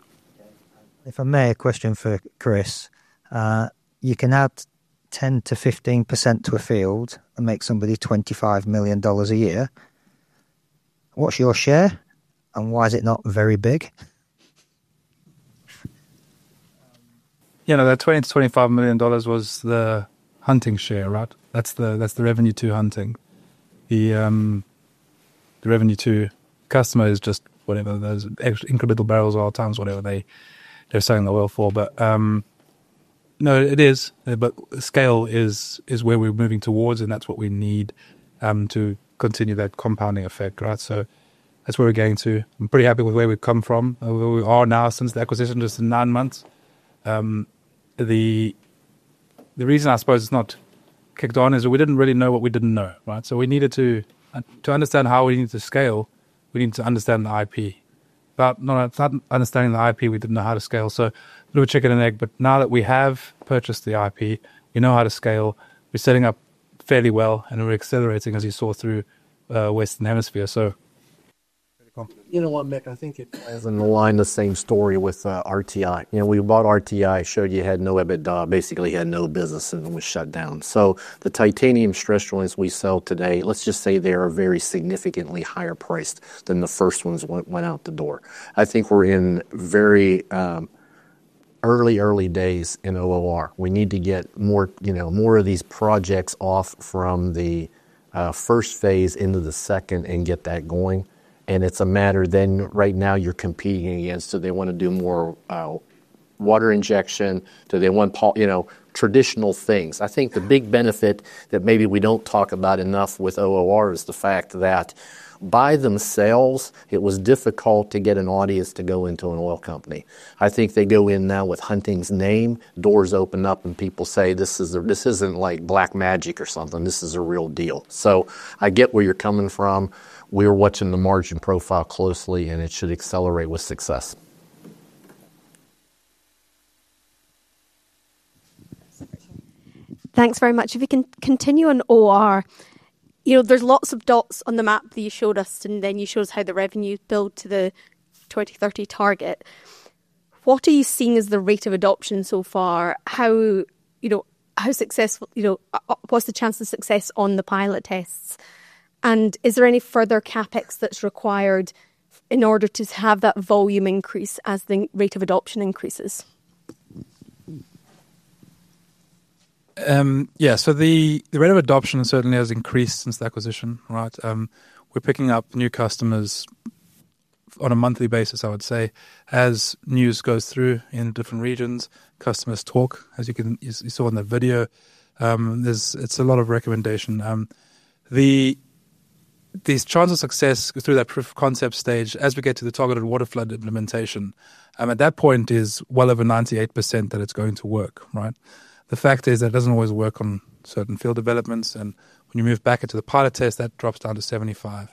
If I may, a question for Chris. You can add 10%-15% to a field and make somebody $25 million a year. What's your share, and why is it not very big? You know, that $20 million-$25 million was the Hunting share, right? That's the, that's the revenue to Hunting. The, the revenue to customer is just whatever those incremental barrels or times whatever they, they're selling the oil for. But, no, it is, but scale is where we're moving towards, and that's what we need to continue that compounding effect, right? So that's where we're getting to. I'm pretty happy with where we've come from and where we are now, since the acquisition just in nine months. The, the reason I suppose it's not kicked on is that we didn't really know what we didn't know, right? So we needed to... to understand how we need to scale, we need to understand the IP. But no, without understanding the IP, we didn't know how to scale, so little chicken and egg, but now that we have purchased the IP, we know how to scale. We're setting up fairly well, and we're accelerating, as you saw, through Western Hemisphere. So very confident. You know what, Mick, I think it hasn't aligned the same story with RTI. You know, we bought RTI, showed you had no EBITDA, basically had no business and was shut down. So the titanium stress joints we sell today, let's just say they are very significantly higher priced than the first ones went out the door. I think we're in very early days in OOR. We need to get more, you know, more of these projects off from the first phase into the second and get that going. And it's a matter then right now you're competing against, so they want to do more water injection. Do they want, you know, traditional things. I think the big benefit that maybe we don't talk about enough with OOR is the fact that by themselves, it was difficult to get an audience to go into an oil company. I think they go in now with Hunting's name, doors open up and people say, "This is a... This isn't like black magic or something. This is a real deal." So I get where you're coming from. We're watching the margin profile closely, and it should accelerate with success. Thanks very much. If we can continue on OOR. You know, there's lots of dots on the map that you showed us, and then you show us how the revenue build to the 2030 target. What are you seeing as the rate of adoption so far? How, you know, how successful... You know, what's the chance of success on the pilot tests? And is there any further CapEx that's required in order to have that volume increase as the rate of adoption increases? Yeah, so the rate of adoption certainly has increased since the acquisition, right? We're picking up new customers on a monthly basis, I would say. As news goes through in different regions, customers talk, as you can, as you saw in the video, it's a lot of recommendation. The chance of success through that proof of concept stage, as we get to the targeted waterflood implementation, at that point is well over 98% that it's going to work, right? The fact is, that it doesn't always work on certain field developments, and when you move back into the pilot test, that drops down to 75%.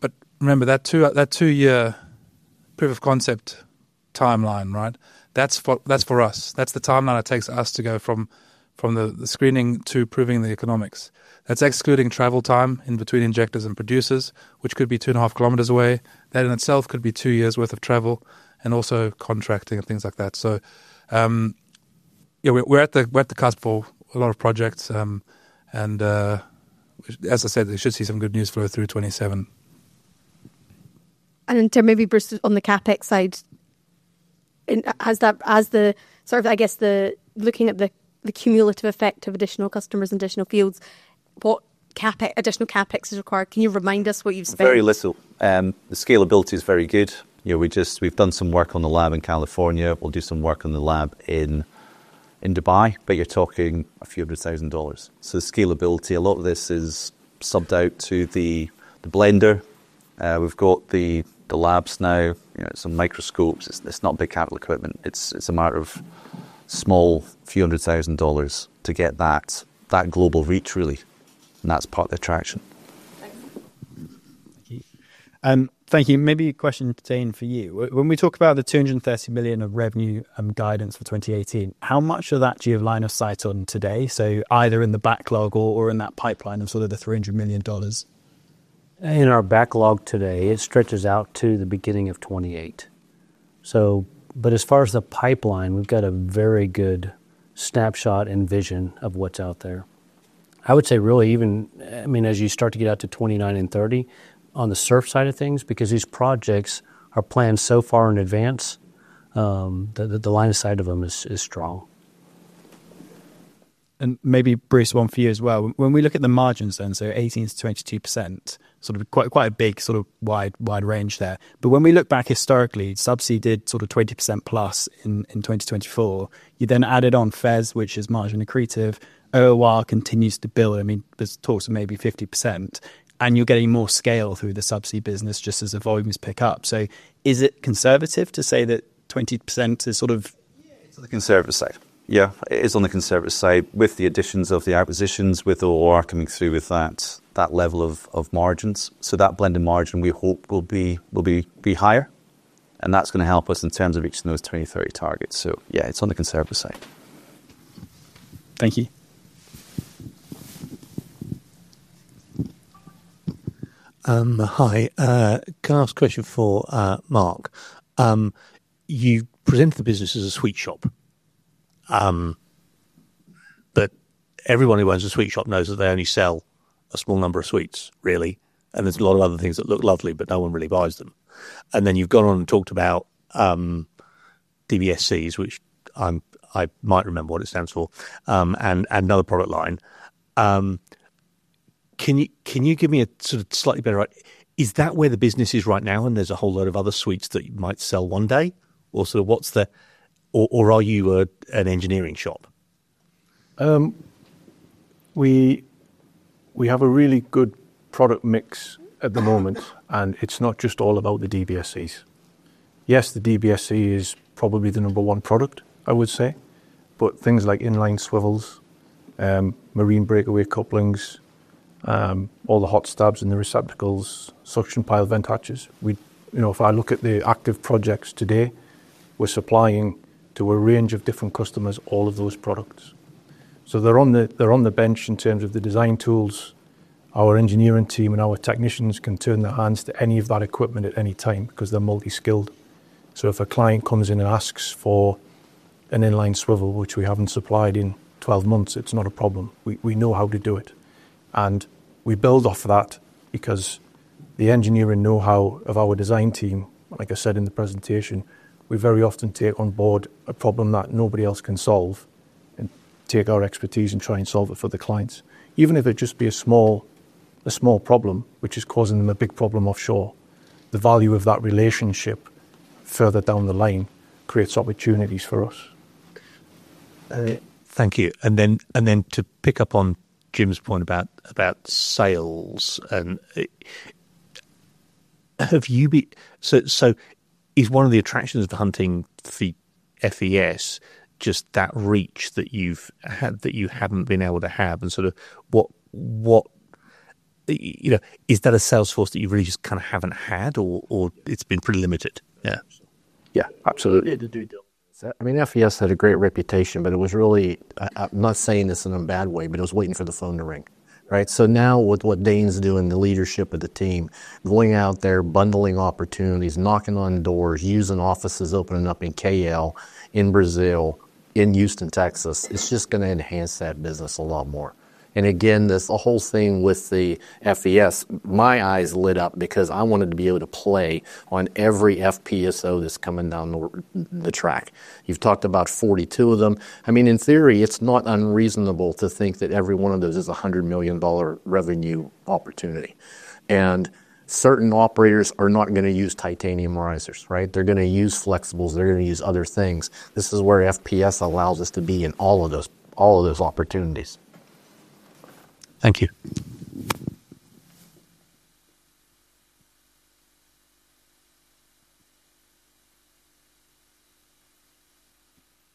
But remember that two-year proof of concept timeline, right? That's for us. That's the timeline it takes us to go from the screening to proving the economics. That's excluding travel time in between injectors and producers, which could be two and a half kilometers away. That in itself could be two years' worth of travel and also contracting and things like that. So, we're at the cusp of a lot of projects. And, as I said, we should see some good news flow through 2027. Then to maybe Bruce on the CapEx side, and as the sort of, I guess, looking at the cumulative effect of additional customers and additional fields, what additional CapEx is required? Can you remind us what you've spent? Very little. The scalability is very good. You know, we've done some work on the lab in California. We'll do some work on the lab in Dubai, but you're talking a few 100,000 dollars. So scalability, a lot of this is subbed out to the blender. We've got the labs now, you know, some microscopes. It's not big capital equipment. It's a matter of small few 100,00 dollars to get that global reach, really, and that's part of the attraction. Thank you. Thank you. Maybe a question, Dane, for you. When we talk about the $230 million of revenue guidance for 2018, how much of that do you have line of sight on today? So either in the backlog or in that pipeline of sort of the $300 million dollars. In our backlog today, it stretches out to the beginning of 2028. But as far as the pipeline, we've got a very good snapshot and vision of what's out there. I would say really even, I mean, as you start to get out to 2029 and 2030, on the SURF side of things, because these projects are planned so far in advance, the line of sight of them is strong.... And maybe, Bruce, one for you as well. When we look at the margins then, so 18%-22%, sort of quite a big, sort of wide range there. But when we look back historically, Subsea did sort of 20% plus in 2024. You then added on FES, which is margin accretive. OOR continues to build. I mean, there's talks of maybe 50%, and you're getting more scale through the Subsea business just as the volumes pick up. So is it conservative to say that 20% is sort of- Yeah, it's on the conservative side. Yeah, it is on the conservative side with the additions of the acquisitions, with OOR coming through with that level of margins. So that blended margin, we hope will be higher, and that's going to help us in terms of reaching those 2030 targets. So yeah, it's on the conservative side. Thank you. Hi. Can I ask a question for Mark? You presented the business as a sweet shop, but everyone who owns a sweet shop knows that they only sell a small number of sweets, really, and there's a lot of other things that look lovely, but no one really buys them and then you've gone on and talked about DBSCs, which I might remember what it stands for, and another product line. Can you give me a sort of slightly better? Is that where the business is right now, and there's a whole load of other sweets that you might sell one day, or sort of what's the... or are you an engineering shop? We have a really good product mix at the moment, and it's not just all about the DBSCs. Yes, the DBSC is probably the number one product, I would say. But things like in-line swivels, marine breakaway couplings, all the hot stabs and the receptacles, suction pile vent hatches. You know, if I look at the active projects today, we're supplying to a range of different customers, all of those products. So they're on the bench in terms of the design tools. Our engineering team and our technicians can turn their hands to any of that equipment at any time because they're multi-skilled. So if a client comes in and asks for an in-line swivel, which we haven't supplied in 12 months, it's not a problem. We know how to do it, and we build off of that because the engineering know-how of our design team, like I said in the presentation, we very often take on board a problem that nobody else can solve and take our expertise and try and solve it for the clients. Even if it just be a small problem, which is causing them a big problem offshore, the value of that relationship further down the line creates opportunities for us. Thank you. To pick up on Jim's point about sales. Is one of the attractions of Hunting for FES just that reach that you've had, that you haven't been able to have, and sort of what you know? Is that a sales force that you really just kind of haven't had or it's been pretty limited? Yeah. Yeah, absolutely. I mean, FES had a great reputation, but it was really, I'm not saying this in a bad way, but it was waiting for the phone to ring, right? So now with what Dane's doing, the leadership of the team, going out there, bundling opportunities, knocking on doors, using offices, opening up in KL, in Brazil, in Houston, Texas, it's just going to enhance that business a lot more. This, the whole thing with the FES, my eyes lit up because I wanted to be able to play on every FPSO that's coming down the track. You've talked about 42 of them. I mean, in theory, it's not unreasonable to think that every one of those is a $100 million revenue opportunity. Certain operators are not going to use titanium risers, right? They're going to use flexibles, they're going to use other things. This is where FES allows us to be in all of those opportunities. Thank you.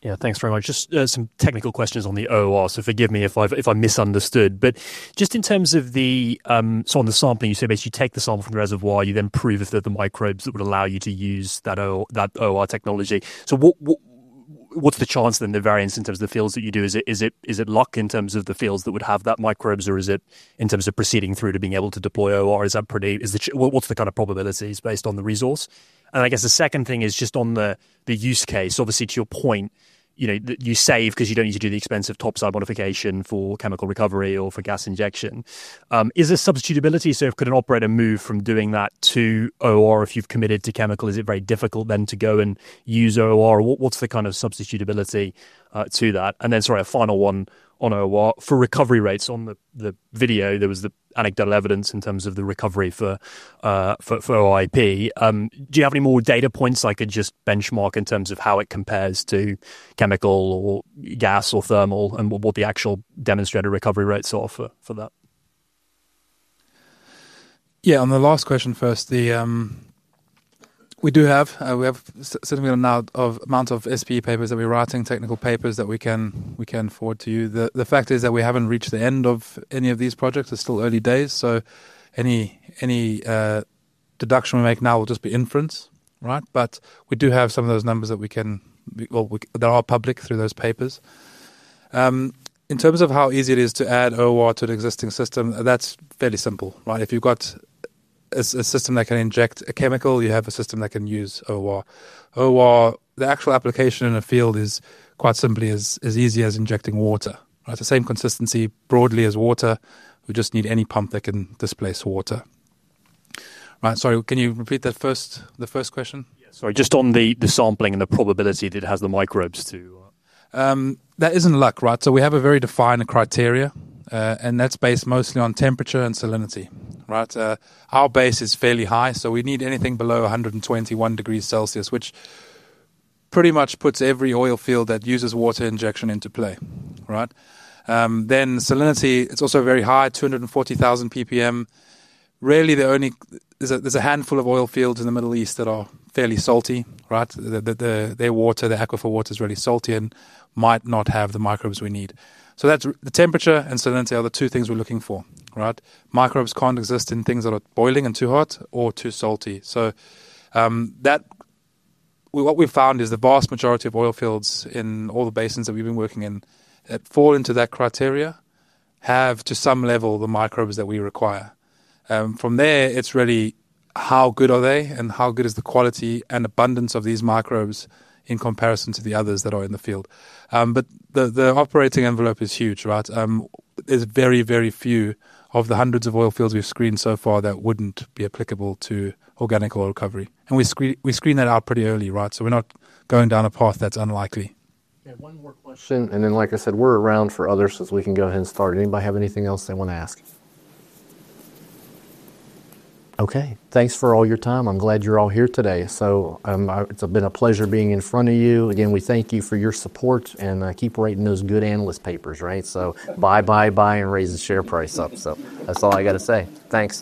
Yeah, thanks very much. Just some technical questions on the OOR, so forgive me if I've misunderstood. But just in terms of the so on the sampling, you said basically you take the sample from the reservoir, you then prove that the microbes that would allow you to use that O- that OOR technology. So what's the chance then, the variance in terms of the fields that you do? Is it luck in terms of the fields that would have that microbes, or is it in terms of proceeding through to being able to deploy OOR, is that pretty? What, what's the kind of probabilities based on the resource? And I guess the second thing is just on the use case, obviously, to your point, you know, that you save because you don't need to do the expensive topside modification for chemical recovery or for gas injection. Is there substitutability? So could an operator move from doing that to OOR if you've committed to chemical, is it very difficult then to go and use OOR? What's the kind of substitutability to that? And then, sorry, a final one on OOR. For recovery rates, on the video, there was the anecdotal evidence in terms of the recovery for OIP. Do you have any more data points I could just benchmark in terms of how it compares to chemical or gas or thermal, and what the actual demonstrated recovery rates are for that? Yeah, on the last question first, we do have a significant amount of SPE papers that we're writing, technical papers that we can forward to you. The fact is that we haven't reached the end of any of these projects. It's still early days, so any deduction we make now will just be inference, right? But we do have some of those numbers that are public through those papers. In terms of how easy it is to add OOR to an existing system, that's fairly simple, right? If you've got a system that can inject a chemical, you have a system that can use OOR. OOR, the actual application in a field is quite simply as easy as injecting water, right? The same consistency broadly as water. We just need any pump that can displace water. Right. Sorry, can you repeat that first, the first question? Yeah. Sorry, just on the sampling and the probability that it has the microbes to, That isn't luck, right? So we have a very defined criteria, and that's based mostly on temperature and salinity, right? Our base is fairly high, so we need anything below a 121 degrees Celsius, which pretty much puts every oil field that uses water injection into play, right? Then salinity, it's also very high, two hundred and forty thousand ppm. There's a handful of oil fields in the Middle East that are fairly salty, right? Their water, their aquifer water is really salty and might not have the microbes we need. So that's the temperature and salinity are the two things we're looking for, right? Microbes can't exist in things that are boiling and too hot or too salty. So, that... What we've found is the vast majority of oil fields in all the basins that we've been working in, that fall into that criteria, have to some level the microbes that we require. From there, it's really how good are they and how good is the quality and abundance of these microbes in comparison to the others that are in the field. But the operating envelope is huge, right? There's very, very few of the 100 of oil fields we've screened so far that wouldn't be applicable to Organic Oil Recovery, and we screen that out pretty early, right, so we're not going down a path that's unlikely. Yeah, one more question, and then, like I said, we're around for others, so we can go ahead and start. Anybody have anything else they want to ask? Okay, thanks for all your time. I'm glad you're all here today. So, it's been a pleasure being in front of you. Again, we thank you for your support, and, keep writing those good analyst papers, right? So buy, buy, buy and raise the share price up. So that's all I got to say. Thanks.